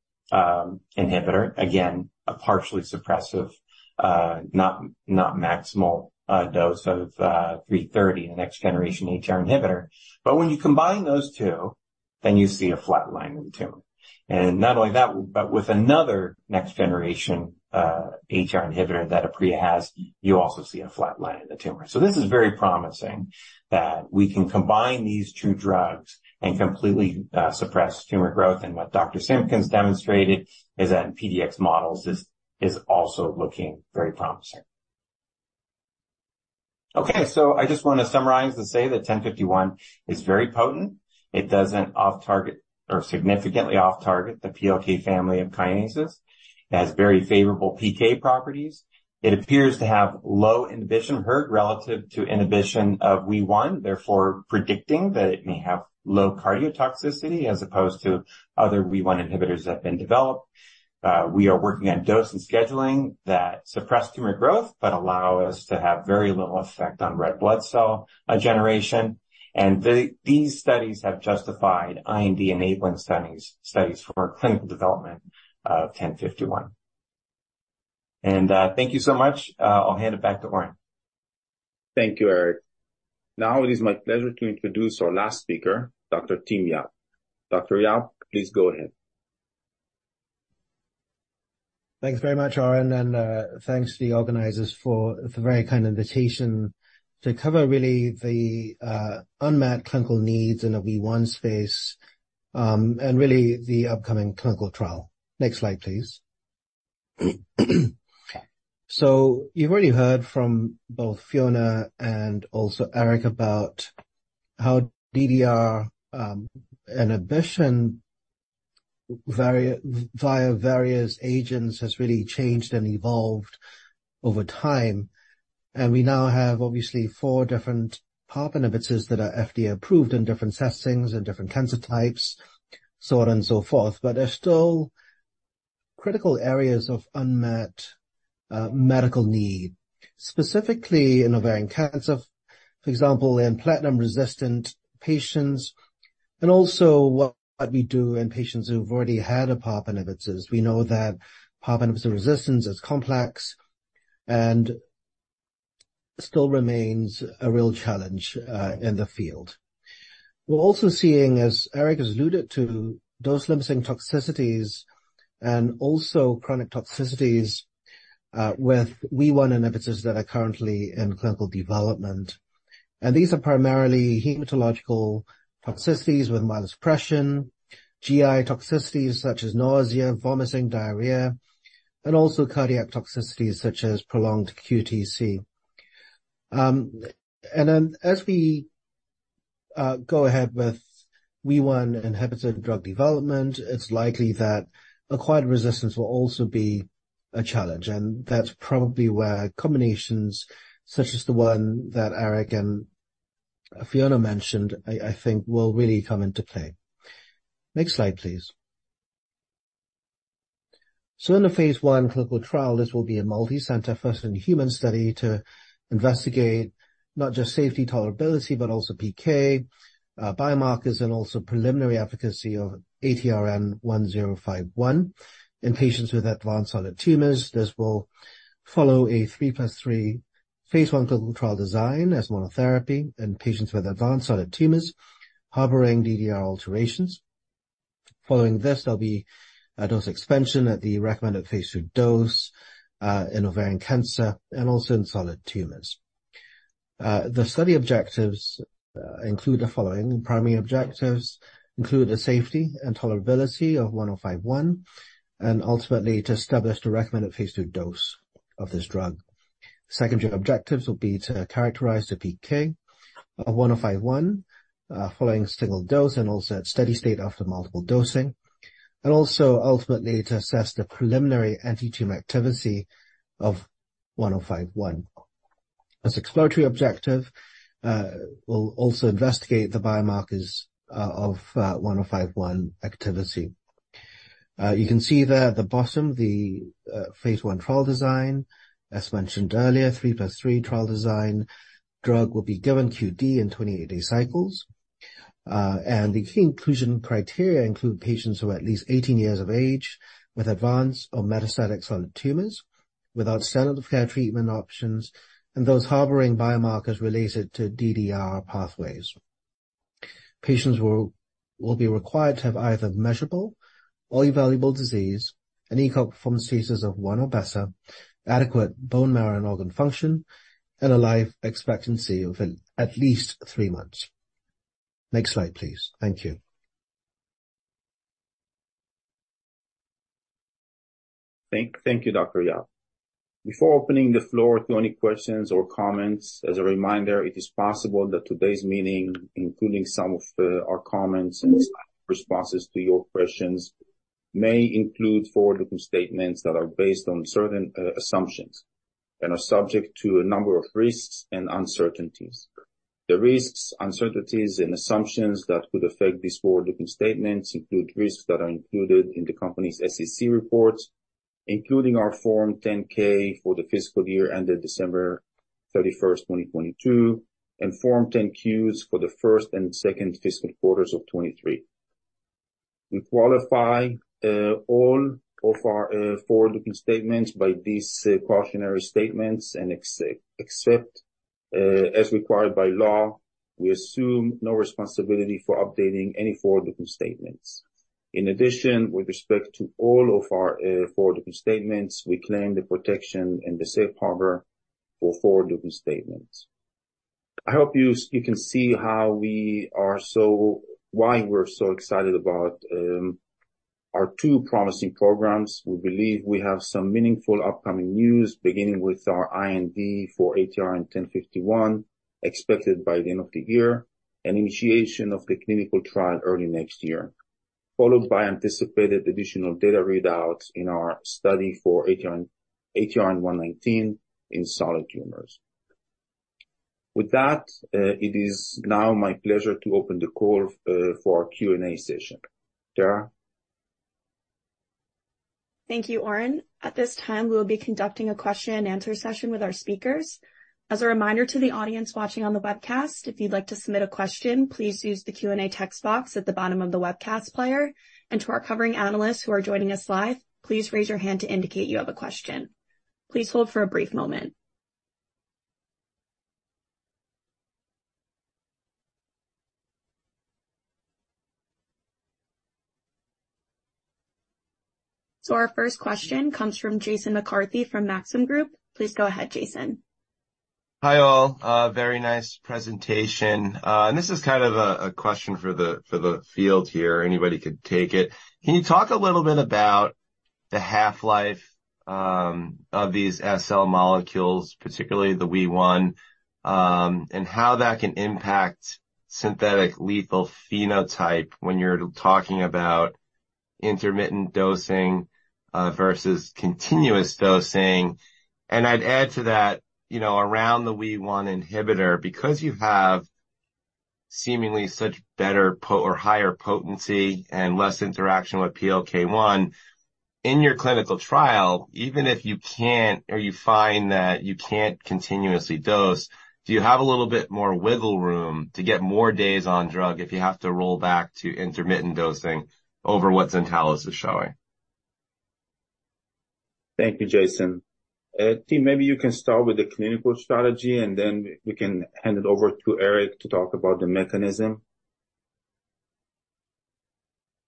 inhibitor. Again, a partially suppressive, not maximal dose of 330, the next-generation ATR inhibitor. But when you combine those two, then you see a flat line in the tumor. And not only that, but with another next-generation ATR inhibitor that Aprea has, you also see a flat line in the tumor. So this is very promising that we can combine these two drugs and completely suppress tumor growth. And what Dr. Simpkins demonstrated is that in PDX models, this is also looking very promising. Okay, so I just want to summarize and say that 1051 is very potent. It doesn't off-target or significantly off-target the PLK family of kinases. It has very favorable PK properties. It appears to have low inhibition of hERG relative to inhibition of WEE1, therefore predicting that it may have low cardiotoxicity as opposed to other WEE1 inhibitors that have been developed. We are working on dose and scheduling that suppress tumor growth, but allow us to have very little effect on red blood cell generation. And these studies have justified IND-enabling studies, studies for clinical development of 1051. And thank you so much. I'll hand it back to Oren. Thank you, Eric. Now it is my pleasure to introduce our last speaker, Dr. Tim Yap. Dr. Yap, please go ahead. Thanks very much, Oren, and thanks to the organizers for the very kind invitation to cover really the unmet clinical needs in the WEE1 space, and really the upcoming clinical trial. Next slide, please. So you've already heard from both Fiona and also Eric about how DDR inhibition via various agents has really changed and evolved over time. And we now have obviously four different PARP inhibitors that are FDA approved in different settings and different cancer types, so on and so forth. But there are still critical areas of unmet medical need, specifically in ovarian cancer, for example, in platinum-resistant patients, and also what we do in patients who've already had a PARP inhibitors. We know that PARP inhibitor resistance is complex and still remains a real challenge in the field. We're also seeing, as Eric has alluded to, dose-limiting toxicities and also chronic toxicities with WEE1 inhibitors that are currently in clinical development. And these are primarily hematological toxicities with myelosuppression, GI toxicities such as nausea, vomiting, diarrhea, and also cardiac toxicities such as prolonged QTc. And then as we go ahead with WEE1 inhibitor drug development, it's likely that acquired resistance will also be a challenge, and that's probably where combinations such as the one that Eric and Fiona mentioned, I, I think, will really come into play. Next slide, please. So in the phase I clinical trial, this will be a multicenter first-in-human study to investigate not just safety tolerability, but also PK, biomarkers, and also preliminary efficacy of APR-1051 in patients with advanced solid tumors. This will 3+3 phase I clinical trial design as monotherapy in patients with advanced solid tumors harboring DDR alterations. Following this, there'll be a dose expansion at the recommended phase II dose in ovarian cancer and also in solid tumors. The study objectives include the following. Primary objectives include the safety and tolerability of 1051, and ultimately to establish the recommended phase II dose of this drug. Secondary objectives will be to characterize the PK of 1051 following a single dose and also at steady state after multiple dosing, and also ultimately to assess the preliminary anti-tumor activity of 1051. As exploratory objective, we'll also investigate the biomarkers of 1051 activity. You can see there at the bottom, the phase I trial design, as mentioned earlier, 3+3 trial design. Drug will be given QD in 28-day cycles. And the key inclusion criteria include patients who are at least 18 years of age with advanced or metastatic solid tumors, without standard of care treatment options and those harboring biomarkers related to DDR pathways. Patients will be required to have either measurable or evaluable disease, an ECOG performance status of one or better, adequate bone marrow and organ function, and a life expectancy of at least three months. Next slide, please. Thank you. Thank you, Dr. Yap. Before opening the floor to any questions or comments, as a reminder, it is possible that today's meeting, including some of our comments and responses to your questions, may include forward-looking statements that are based on certain assumptions and are subject to a number of risks and uncertainties. The risks, uncertainties and assumptions that could affect these forward-looking statements include risks that are included in the company's SEC reports, including our Form 10-K for the fiscal year ended December 31st, 2022, and Form 10-Qs for the first and second fiscal quarters of 2023. We qualify all of our forward-looking statements by these cautionary statements, and except as required by law, we assume no responsibility for updating any forward-looking statements. In addition, with respect to all of our forward-looking statements, we claim the protection and the safe harbor for forward-looking statements. I hope you can see how we are so... Why we're so excited about our two promising programs. We believe we have some meaningful upcoming news, beginning with our IND for APR-1051, expected by the end of the year, and initiation of the clinical trial early next year, followed by anticipated additional data readouts in our study for ATRN-119 in solid tumors. With that, it is now my pleasure to open the call for our Q&A session. Dara? Thank you, Oren. At this time, we will be conducting a question-and-answer session with our speakers. As a reminder to the audience watching on the webcast, if you'd like to submit a question, please use the Q&A text box at the bottom of the webcast player. And to our covering analysts who are joining us live, please raise your hand to indicate you have a question. Please hold for a brief moment. Our first question comes from Jason McCarthy from Maxim Group. Please go ahead, Jason. Hi, all. Very nice presentation. And this is kind of a question for the field here. Anybody could take it. Can you talk a little bit about the half-life of these SL molecules, particularly the WEE1, and how that can impact synthetic lethal phenotype when you're talking about intermittent dosing versus continuous dosing? And I'd add to that, you know, around the WEE1 inhibitor, because you have seemingly such better or higher potency and less interaction with PLK1 in your clinical trial, even if you can't, or you find that you can't continuously dose, do you have a little bit more wiggle room to get more days on drug if you have to roll back to intermittent dosing over what Zentalis is showing? Thank you, Jason. Tim, maybe you can start with the clinical strategy, and then we can hand it over to Eric to talk about the mechanism.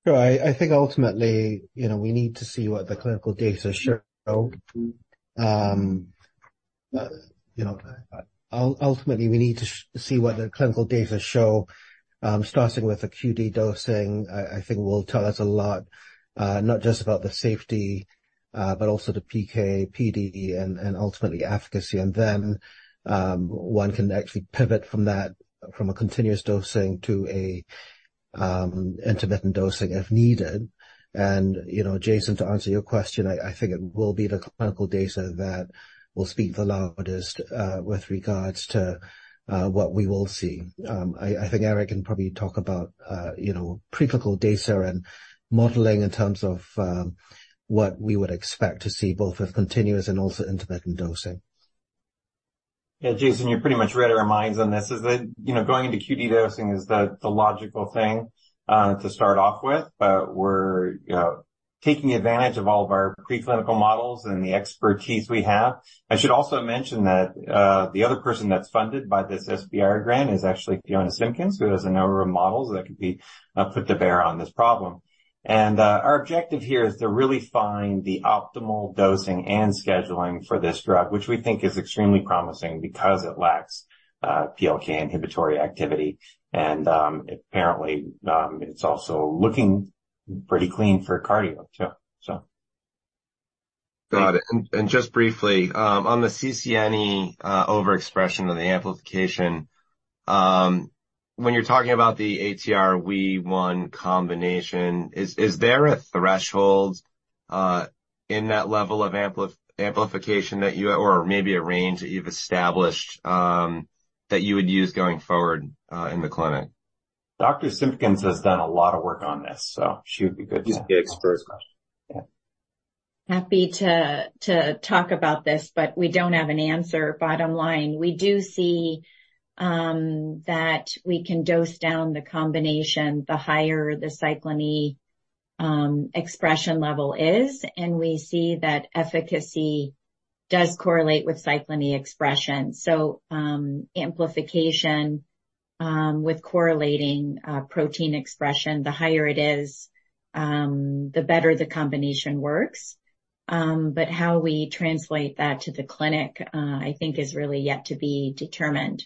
Sure. I think ultimately, you know, we need to see what the clinical data show. You know, ultimately, we need to see what the clinical data show, starting with the QD dosing. I think will tell us a lot, not just about the safety, but also the PK, PD and, and ultimately efficacy. And then, one can actually pivot from that, from a continuous dosing to a, intermittent dosing if needed. And, you know, Jason, to answer your question, I think it will be the clinical data that will speak the loudest, with regards to, what we will see. I think Eric can probably talk about, you know, preclinical data and modeling in terms of, what we would expect to see, both with continuous and also intermittent dosing. Yeah, Jason, you pretty much read our minds on this, is that, you know, going into QD dosing is the, the logical thing to start off with, but we're, you know. taking advantage of all of our preclinical models and the expertise, we have. I should also mention that the other person that's funded by this SBIR grant is actually Fiona Simpkins, who has a number of models that could be put to bear on this problem. Our objective here is to really find the optimal dosing and scheduling for this drug, which we think is extremely promising because it lacks PLK inhibitory activity. Apparently, it's also looking pretty clean for cardio too, so. Got it. And just briefly, on the CCNE overexpression of the amplification, when you're talking about the ATR/WEE1 combination, is there a threshold in that level of amplification that you or maybe a range that you've established that you would use going forward in the clinic? Dr. Simpkins has done a lot of work on this, so she would be good to. She's the expert. Yeah. Happy to talk about this, but we don't have an answer. Bottom line, we do see that we can dose down the combination, the higher the Cyclin E expression level is, and we see that efficacy does correlate with Cyclin E expression. So, amplification with correlating protein expression, the higher it is, the better the combination works. But how we translate that to the clinic, I think is really yet to be determined.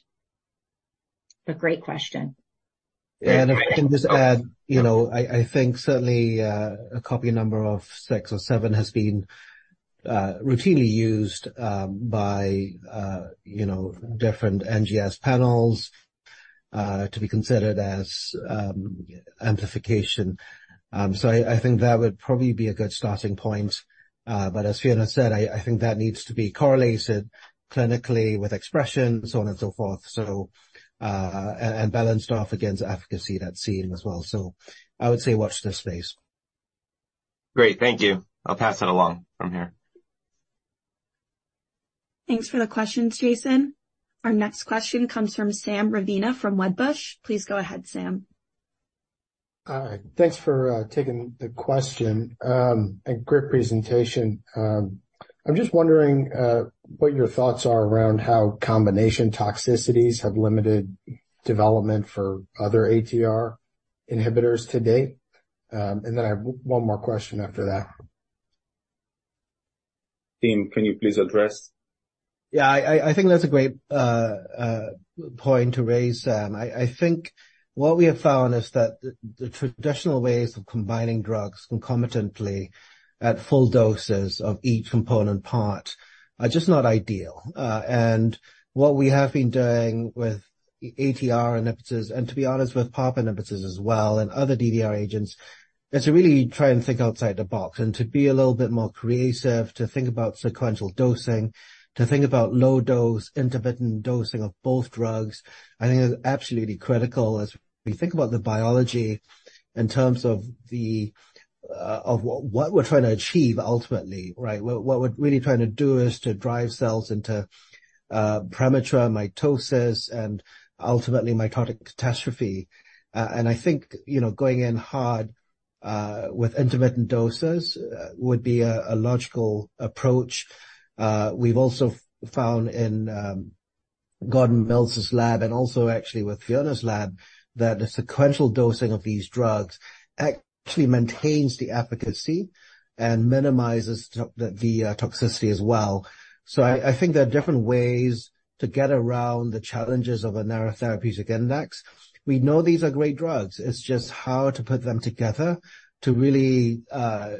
But great question. And if I can just add, you know, I think certainly a copy number of six or seven has been routinely used by you know different NGS panels to be considered as amplification. So I think that would probably be a good starting point. But as Fiona said, I think that needs to be correlated clinically with expression, so on and so forth. So and balanced off against efficacy that's seen as well. So I would say watch this space. Great. Thank you. I'll pass that along from here. Thanks for the questions, Jason. Our next question comes from Sam Ravina from Wedbush. Please go ahead, Sam. Hi. Thanks for taking the question, and great presentation. I'm just wondering what your thoughts are around how combination toxicities have limited development for other ATR inhibitors to date. And then I have one more question after that. Tim, can you please address? Yeah, I think that's a great point to raise, Sam. I think what we have found is that the traditional ways of combining drugs concomitantly at full doses of each component part are just not ideal. And what we have been doing with ATR inhibitors, and to be honest, with PARP inhibitors as well, and other DDR agents, is to really try and think outside the box and to be a little bit more creative, to think about sequential dosing, to think about low-dose, intermittent dosing of both drugs. I think it's absolutely critical as we think about the biology in terms of the of what we're trying to achieve ultimately, right? What we're really trying to do is to drive cells into premature mitosis and ultimately mitotic catastrophe. And I think, you know, going in hard with intermittent doses would be a logical approach. We've also found in Gordon Mills's lab and also actually with Fiona's lab, that the sequential dosing of these drugs actually maintains the efficacy and minimizes the toxicity as well. So I think there are different ways to get around the challenges of a narrow therapeutic index. We know these are great drugs. It's just how to put them together to really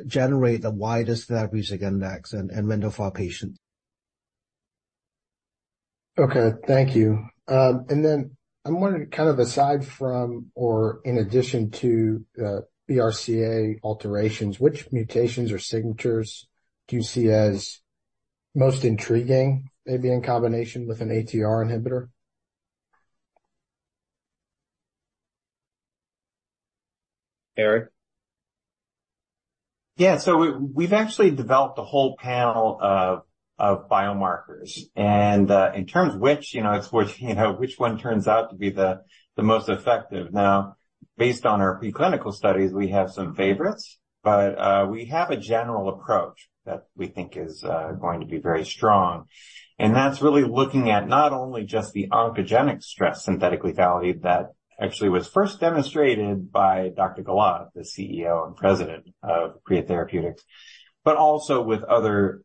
generate the widest therapeutic index and window for our patients. Okay. Thank you. And then I'm wondering, kind of aside from or in addition to, BRCA alterations, which mutations or signatures do you see as most intriguing, maybe in combination with an ATR inhibitor? Eric? Yeah. So we've actually developed a whole panel of biomarkers, and in terms of which, you know, it's which, you know, which one turns out to be the most effective. Now, based on our preclinical studies, we have some favorites, but we have a general approach that we think is going to be very strong. And that's really looking at not only just the oncogenic stress synthetic lethality that actually was first demonstrated by Dr. Gilad, the CEO and President of Aprea Therapeutics, but also with other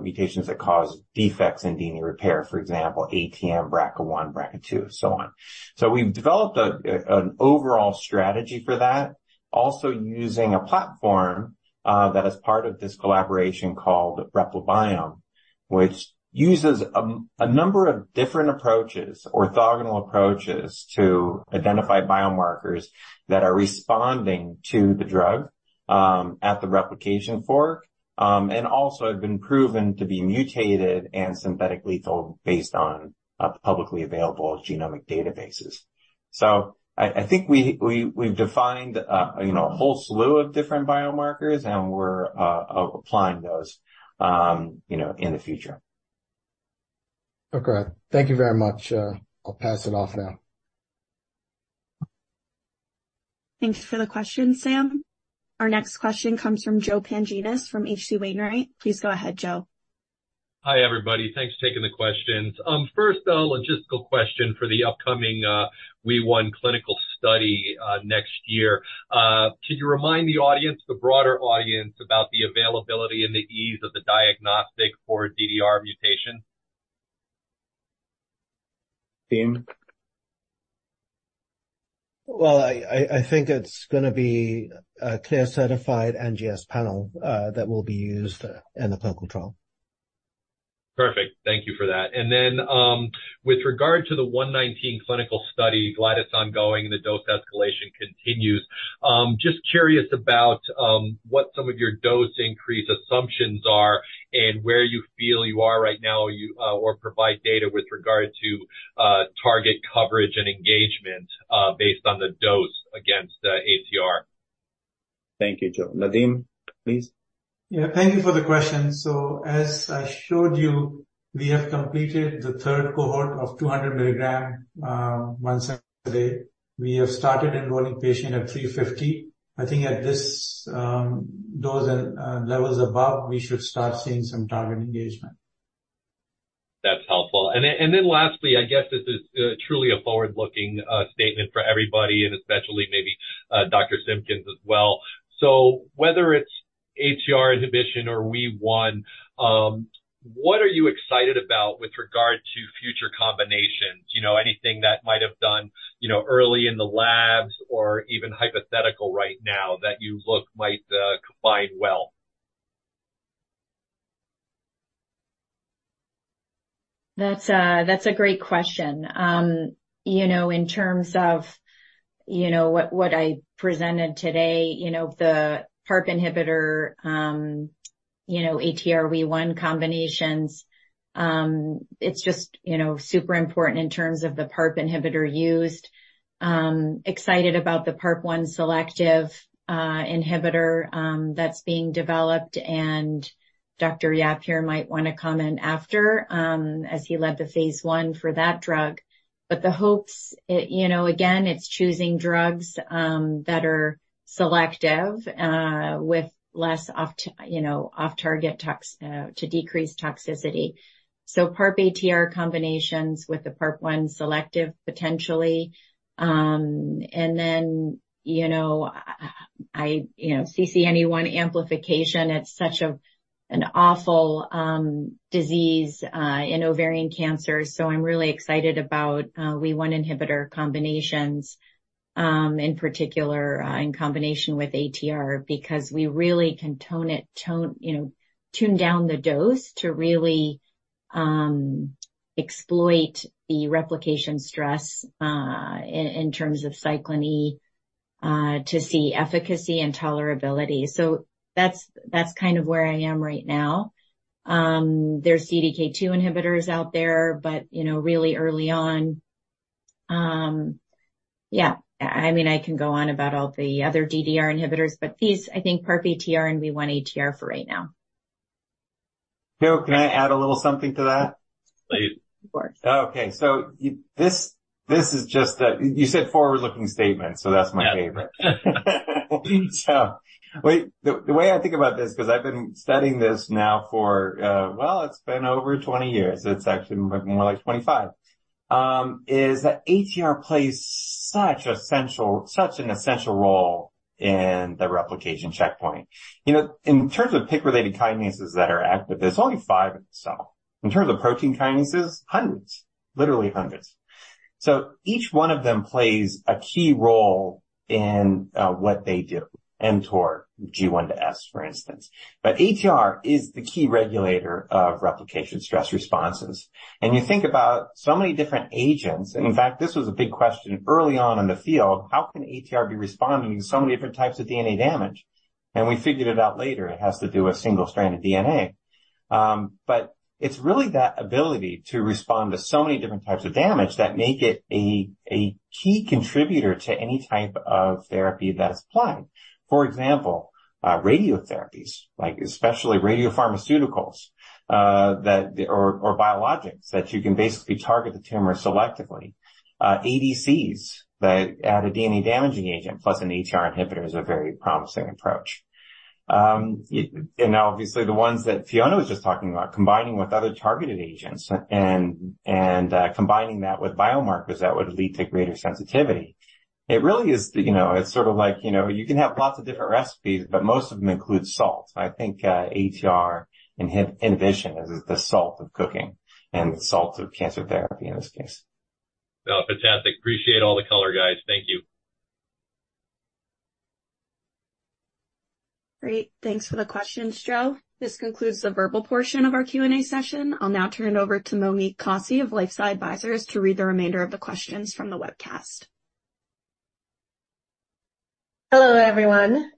mutations that cause defects in DNA repair, for example, ATM, BRCA1, BRCA2, so on. So we've developed an overall strategy for that, also using a platform that is part of this collaboration called RepliBiome, which uses a number of different approaches, orthogonal approaches, to identify biomarkers that are responding to the drug at the replication fork. And also have been proven to be mutated and synthetic lethal based on publicly available genomic databases. So I think we've defined you know a whole slew of different biomarkers, and we're applying those you know in the future. Okay. Thank you very much. I'll pass it off now. Thank you for the question, Sam. Our next question comes from Joe Pantginis from HC Wainwright. Please go ahead, Joe. Hi, everybody. Thanks for taking the questions. First, a logistical question for the upcoming WEE1 clinical study next year. Can you remind the audience, the broader audience, about the availability and the ease of the diagnostic for DDR mutation? Tim? Well, I think it's gonna be a CLIA-certified NGS panel that will be used in the clinical trial. Perfect. Thank you for that. And then, with regard to the 119 clinical study, glad it's ongoing, the dose escalation continues. Just curious about what some of your dose increase assumptions are and where you feel you are right now or provide data with regard to target coverage and engagement, based on the dose against ATR. Thank you, Joe. Nadeem, please. Yeah, thank you for the question. So as I showed you, we have completed the third cohort of 200 milligrams once a day. We have started enrolling patients at 350. I think at this dose and levels above, we should start seeing some target engagement. That's helpful. And then, and then lastly, I guess this is truly a forward-looking statement for everybody, and especially maybe Dr. Simpkins as well. So whether it's ATR inhibition or WEE1, what are you excited about with regard to future combinations? You know, anything that might have done, you know, early in the labs or even hypothetical right now that you look might combine well? That's a great question. You know, in terms of, you know, what I presented today, you know, the PARP inhibitor, you know, ATR/WEE1 combinations, it's just, you know, super important in terms of the PARP inhibitor used. Excited about the PARP-1 selective inhibitor that's being developed. And Dr. Yap here might want to comment after, as he led the phase I for that drug. But the hopes, it... You know, again, it's choosing drugs that are selective, with less off, you know, off-target tox, to decrease toxicity. So PARP/ATR combinations with the PARP-1 selective, potentially. And then, you know, I, you know, CCNE1 amplification, it's such an awful disease in ovarian cancer. So I'm really excited about WEE1 inhibitor combinations, in particular, in combination with ATR, because we really can tone it, tone, you know, tune down the dose to really exploit the replication stress, in terms of cyclin E, to see efficacy and tolerability. So that's kind of where I am right now. There's CDK2 inhibitors out there, but, you know, really early on. Yeah, I mean, I can go on about all the other DDR inhibitors, but these, I think, PARP/ATR and WEE1/ATR for right now. Joe, can I add a little something to that? Please. Of course. Okay. So this is just a... You said forward-looking statement, so that's my favorite. So wait, the way I think about this, because I've been studying this now for, well, it's been over 20 years. It's actually more like 25, is that ATR plays such essential, such an essential role in the replication checkpoint. You know, in terms of PIK-related kinases that are active, there's only five or so. In terms of protein kinases, hundreds, literally hundreds. So each one of them plays a key role in what they do, mTOR G1 to S, for instance. But ATR is the key regulator of replication stress responses. And you think about so many different agents, and in fact, this was a big question early on in the field: How can ATR be responding to so many different types of DNA damage? We figured it out later. It has to do with single-stranded DNA. But it's really that ability to respond to so many different types of damage that make it a key contributor to any type of therapy that is applied. For example, radiotherapies, like especially radiopharmaceuticals, or biologics, that you can basically target the tumor selectively. ADCs that add a DNA-damaging agent plus an ATR inhibitor is a very promising approach. And now, obviously, the ones that Fiona was just talking about, combining with other targeted agents and combining that with biomarkers that would lead to greater sensitivity. It really is, you know, it's sort of like, you know, you can have lots of different recipes, but most of them include salt. I think, ATR inhibition is the salt of cooking and the salt of cancer therapy in this case. Well, fantastic. Appreciate all the color, guys. Thank you. Great. Thanks for the questions, Joe. This concludes the verbal portion of our Q&A session. I'll now turn it over to Monique Kosse of LifeSci Advisors to read the remainder of the questions from the webcast. Hello, everyone.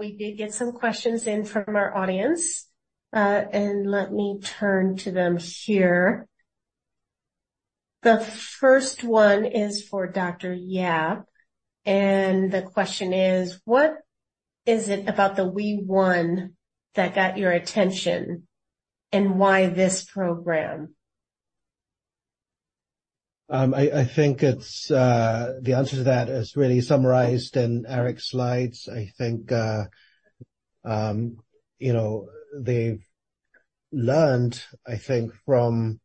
We did get some questions in from our audience and let me turn to them here. The first one is for Dr. Yap, and the question is: What is it about the WEE1 that got your attention, and why this program? ... I think it's the answer to that is really summarized in Eric's slides. I think, you know, they've learned, I think, from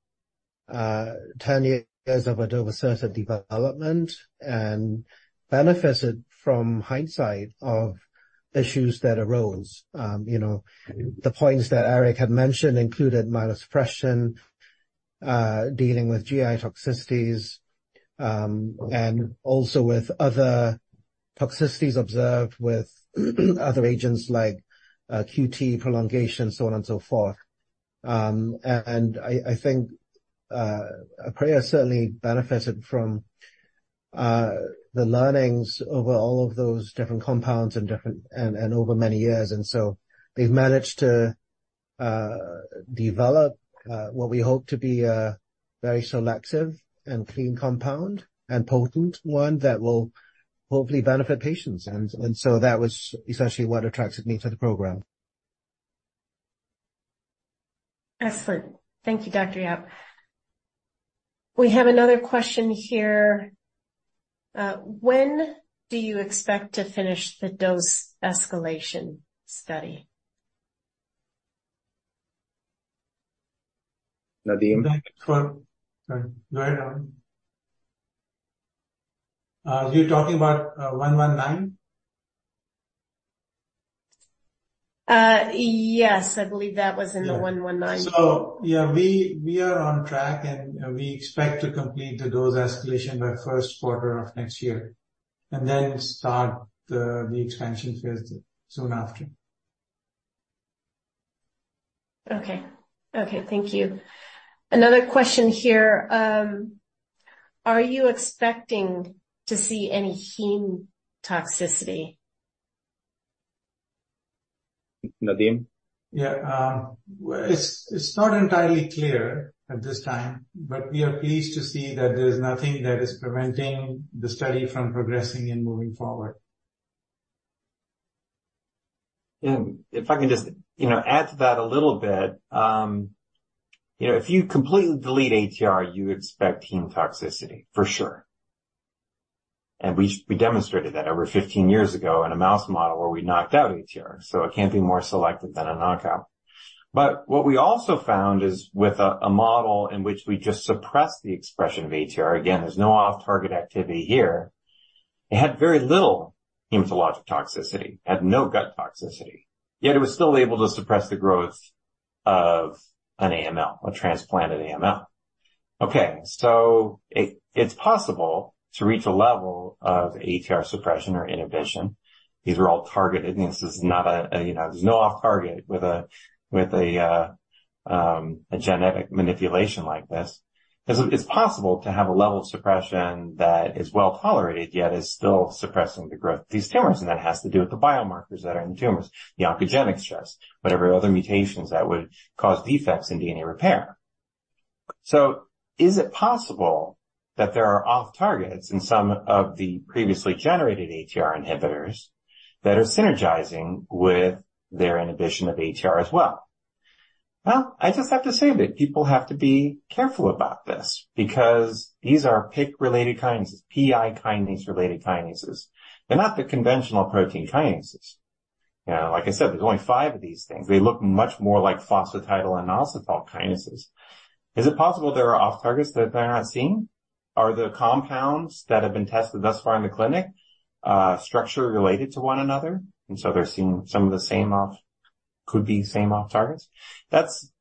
10 years of adavosertib development and benefited from hindsight of issues that arose. You know, the points that Eric had mentioned included myelosuppression, dealing with GI toxicities, and also with other toxicities observed with other agents like QT prolongation, so on and so forth. And I think Aprea certainly benefited from the learnings over all of those different compounds and different and over many years. And so they've managed to develop what we hope to be a very selective and clean compound, and potent one, that will hopefully benefit patients. And so that was essentially what attracted me to the program. Excellent. Thank you, Dr. Yap. We have another question here. When do you expect to finish the dose escalation study? Nadeem? Sorry, go ahead. Are you talking about 119? Yes, I believe that was in the 119. So yeah, we are on track, and we expect to complete the dose escalation by first quarter of next year and then start the expansion phase soon after. Okay. Okay, thank you. Another question here. Are you expecting to see any heme toxicity? Nadeem? Yeah, it's not entirely clear at this time, but we are pleased to see that there is nothing that is preventing the study from progressing and moving forward. And if I can just, you know, add to that a little bit. You know, if you completely delete ATR, you expect heme toxicity for sure. And we, we demonstrated that over 15 years ago in a mouse model where we knocked out ATR, so it can't be more selective than a knockout. But what we also found is with a, a model in which we just suppressed the expression of ATR, again, there's no off-target activity here. It had very little hematologic toxicity, had no gut toxicity, yet it was still able to suppress the growth of an AML, a transplanted AML. Okay, so it, it's possible to reach a level of ATR suppression or inhibition. These are all targeted, and this is not a, a, you know... There's no off-target with a, with a, a genetic manipulation like this. It's possible to have a level of suppression that is well-tolerated, yet is still suppressing the growth of these tumors, and that has to do with the biomarkers that are in the tumors, the oncogenic stress, whatever other mutations that would cause defects in DNA repair. So is it possible that there are off-targets in some of the previously generated ATR inhibitors that are synergizing with their inhibition of ATR as well? Well, I just have to say that people have to be careful about this because these are PIK-related kinases, PI kinase-related kinases. They're not the conventional protein kinases. You know, like I said, there's only five of these things. They look much more like phosphatidylinositol kinases. Is it possible there are off-targets that they're not seeing? Are the compounds that have been tested thus far in the clinic structure related to one another, and so they're seeing some of the same off-targets? Could be same off-targets? That's,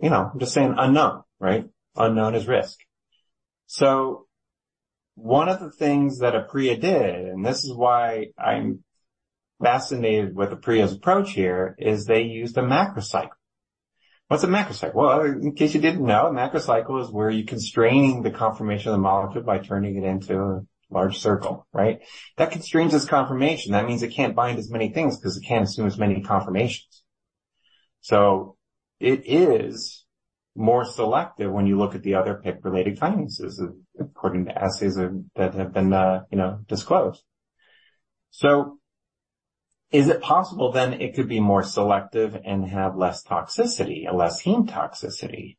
you know, I'm just saying unknown, right? Unknown is risk. So one of the things that Aprea did, and this is why I'm fascinated with Aprea's approach here, is they used a macrocycle. What's a macrocycle? Well, in case you didn't know, a macrocycle is where you're constraining the conformation of the molecule by turning it into a large circle, right? That constrains its conformation. That means it can't bind as many things because it can't assume as many conformations. So it is more selective when you look at the other PIK-related kinases, according to assays that have been, you know, disclosed. So is it possible then it could be more selective and have less toxicity and less heme toxicity?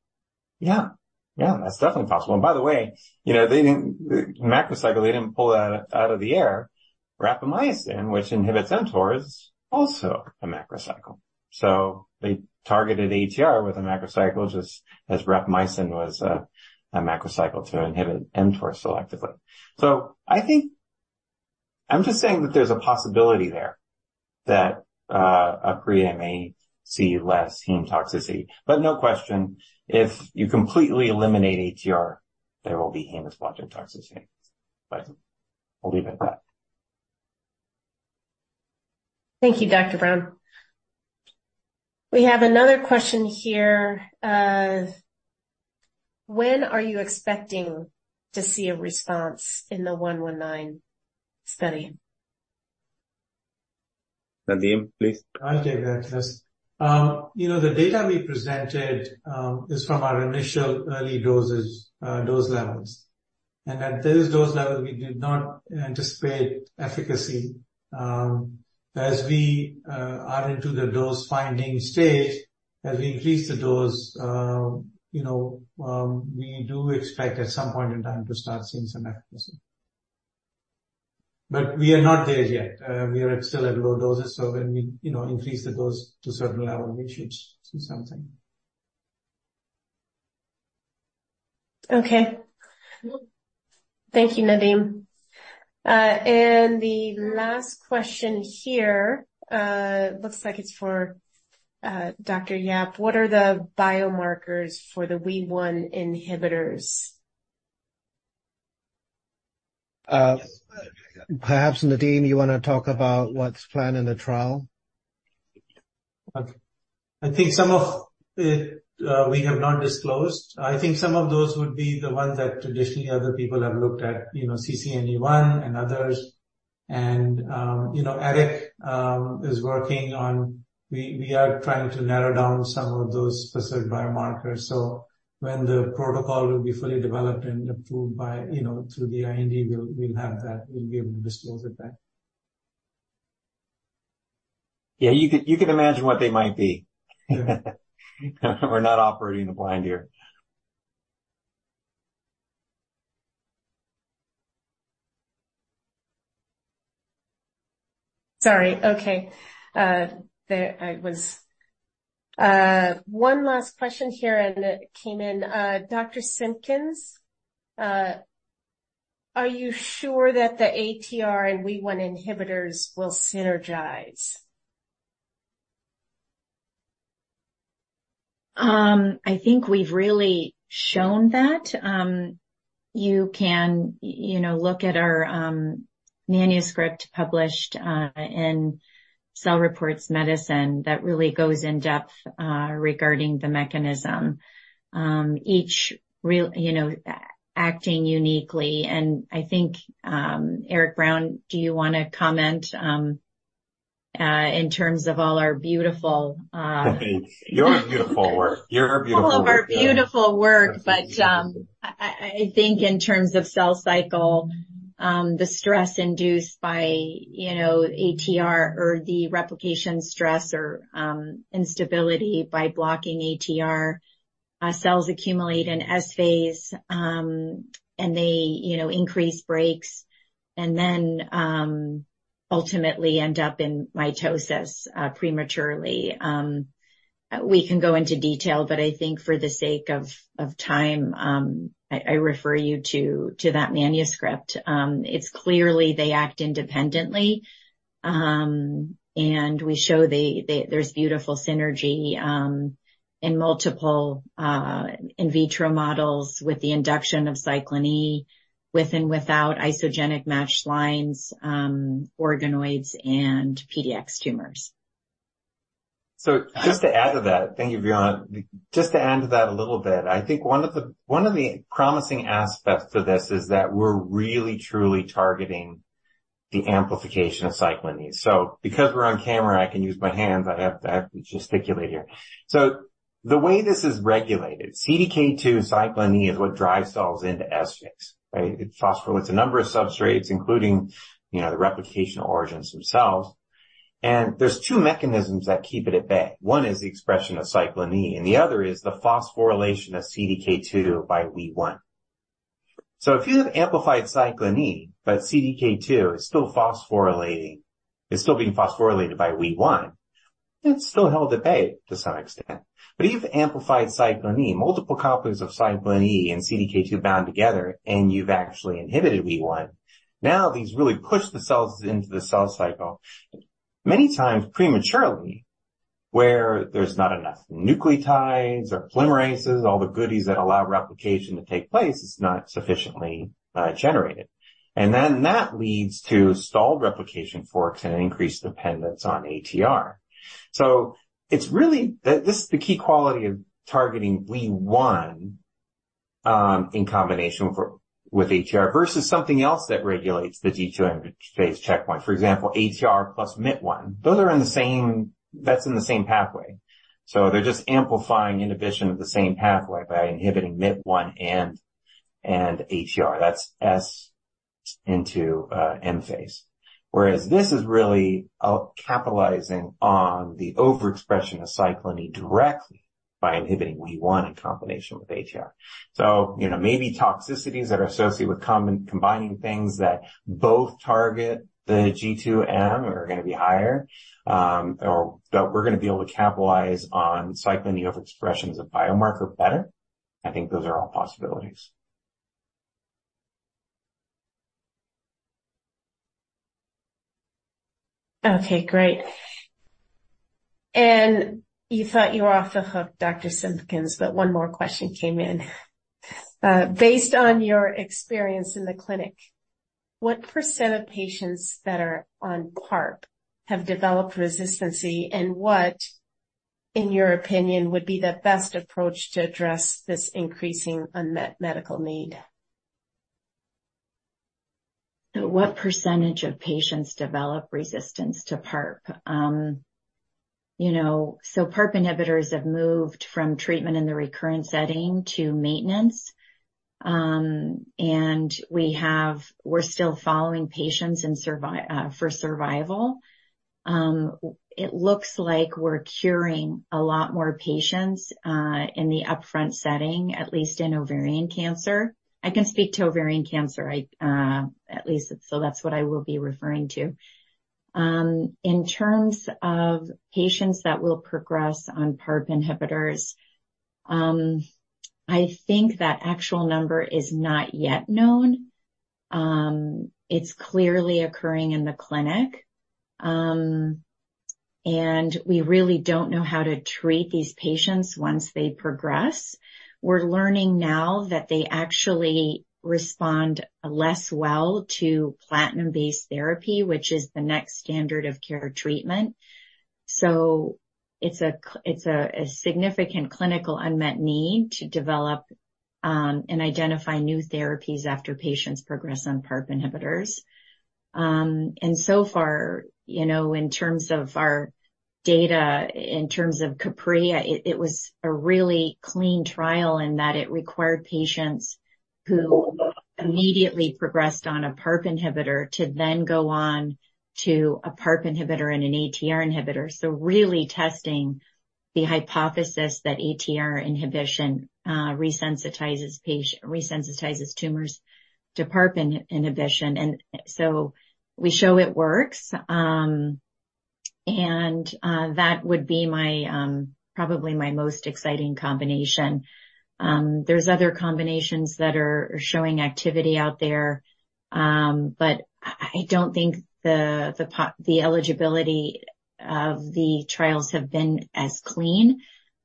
Yeah. Yeah, that's definitely possible. And by the way, you know, they didn't, macrocycle, they didn't pull that out of the air. Rapamycin, which inhibits mTOR, is also a macrocycle. So they targeted ATR with a macrocycle, just as rapamycin was a, a macrocycle to inhibit mTOR selectively. So I think... I'm just saying that there's a possibility there that, Aprea may see less heme toxicity. But no question, if you completely eliminate ATR, there will be hematologic toxicity. But I'll leave it at that. Thank you, Dr. Brown. We have another question here. When are you expecting to see a response in the 119 study? Nadeem, please. I'll take that, yes. You know, the data we presented is from our initial early doses, dose levels. And at those dose levels, we did not anticipate efficacy. As we are into the dose-finding stage, as we increase the dose, you know, we do expect at some point in time to start seeing some efficacy. But we are not there yet. We are still at low doses, so when we, you know, increase the dose to a certain level, we should see something. Okay. Thank you, Nadeem. And the last question here looks like it's for Dr. Yap. What are the biomarkers for the WEE1 inhibitors? Perhaps, Nadeem, you want to talk about what's planned in the trial? I think some of it, we have not disclosed. I think some of those would be the ones that traditionally other people have looked at, you know, CCNE1 and others. And, you know, Eric is working on... We are trying to narrow down some of those specific biomarkers. So when the protocol will be fully developed and approved by, you know, through the IND, we'll have that. We'll be able to disclose it then. Yeah, you could, you can imagine what they might be. We're not operating in the blind here. Sorry. Okay. One last question here, and it came in. Dr. Simpkins, are you sure that the ATR and WEE1 inhibitors will synergize? I think we've really shown that. You can, you know, look at our manuscript published in Cell Reports Medicine that really goes in-depth regarding the mechanism. Each, really, you know, acting uniquely, and I think, Eric Brown, do you want to comment in terms of all our beautiful, Your beautiful work. Your beautiful work. All of our beautiful work. But, I think in terms of cell cycle, the stress induced by, you know, ATR or the replication stress or, instability by blocking ATR, cells accumulate in S phase, and they, you know, increase breaks and then, ultimately end up in mitosis, prematurely. We can go into detail, but I think for the sake of time, I refer you to that manuscript. It's clearly they act independently, and we show the-- there's beautiful synergy, in multiple, in vitro models with the induction of cyclin E, with and without isogenic matched lines, organoids and PDX tumors. So just to add to that... Thank you, Fiona. Just to add to that a little bit, I think one of the, one of the promising aspects to this is that we're really, truly targeting the amplification of cyclin E. So because we're on camera, I can use my hands. I have, I have to gesticulate here. So the way this is regulated, CDK2 and cyclin E is what drives cells into S phase, right? It phosphorylates a number of substrates, including, you know, the replication origins themselves. And there's two mechanisms that keep it at bay. One is the expression of cyclin E, and the other is the phosphorylation of CDK2 by WEE1. So if you have amplified cyclin E, but CDK2 is still phosphorylating, is still being phosphorylated by WEE1, it's still held at bay to some extent. But if you've amplified cyclin E, multiple copies of cyclin E and CDK2 bound together, and you've actually inhibited WEE1, now these really push the cells into the cell cycle, many times prematurely, where there's not enough nucleotides or polymerases. All the goodies that allow replication to take place, it's not sufficiently generated. And then that leads to stalled replication forks and increased dependence on ATR. So it's really... This is the key quality of targeting WEE1 in combination with ATR versus something else that regulates the G2-M phase checkpoint. For example, ATR plus MYT1. Those are in the same-- that's in the same pathway, so they're just amplifying inhibition of the same pathway by inhibiting MYT1 and ATR. That's S into M phase. Whereas this is really capitalizing on the overexpression of cyclin E directly by inhibiting WEE1 in combination with ATR. So, you know, maybe toxicities that are associated with combining things that both target the G2-M are going to be higher, or but we're going to be able to capitalize on cyclin E overexpressions of biomarker better. I think those are all possibilities. Okay, great. And you thought you were off the hook, Dr. Simpkins, but one more question came in. Based on your experience in the clinic, what % of patients that are on PARP have developed resistance, and what, in your opinion, would be the best approach to address this increasing unmet medical need? So what percentage of patients develop resistance to PARP? You know, so PARP inhibitors have moved from treatment in the recurrent setting to maintenance. And we're still following patients for survival. It looks like we're curing a lot more patients in the upfront setting, at least in ovarian cancer. I can speak to ovarian cancer. At least, so that's what I will be referring to. In terms of patients that will progress on PARP inhibitors, I think that actual number is not yet known. It's clearly occurring in the clinic, and we really don't know how to treat these patients once they progress. We're learning now that they actually respond less well to platinum-based therapy, which is the next standard of care treatment. So it's a significant clinical unmet need to develop and identify new therapies after patients progress on PARP inhibitors. And so far, you know, in terms of our data, in terms of CAPRI, it was a really clean trial in that it required patients who immediately progressed on a PARP inhibitor to then go on to a PARP inhibitor and an ATR inhibitor. So really testing the hypothesis that ATR inhibition resensitizes tumors to PARP inhibition. And so we show it works, and that would be my probably my most exciting combination. There's other combinations that are showing activity out there, but I don't think the eligibility of the trials have been as clean,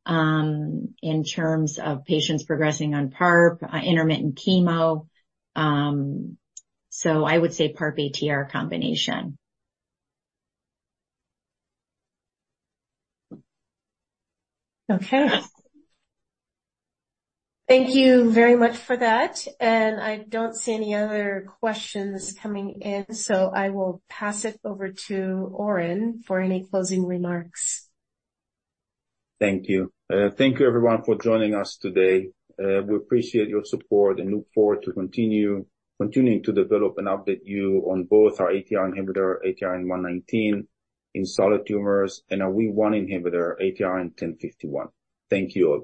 in terms of patients progressing on PARP, intermittent chemo. So I would say PARP/ATR combination. Okay. Thank you very much for that, and I don't see any other questions coming in, so I will pass it over to Oren for any closing remarks. Thank you. Thank you everyone for joining us today. We appreciate your support and look forward to continuing to develop and update you on both our ATR inhibitor, ATRN-119, in solid tumors, and our WEE1 inhibitor, APR-1051. Thank you all.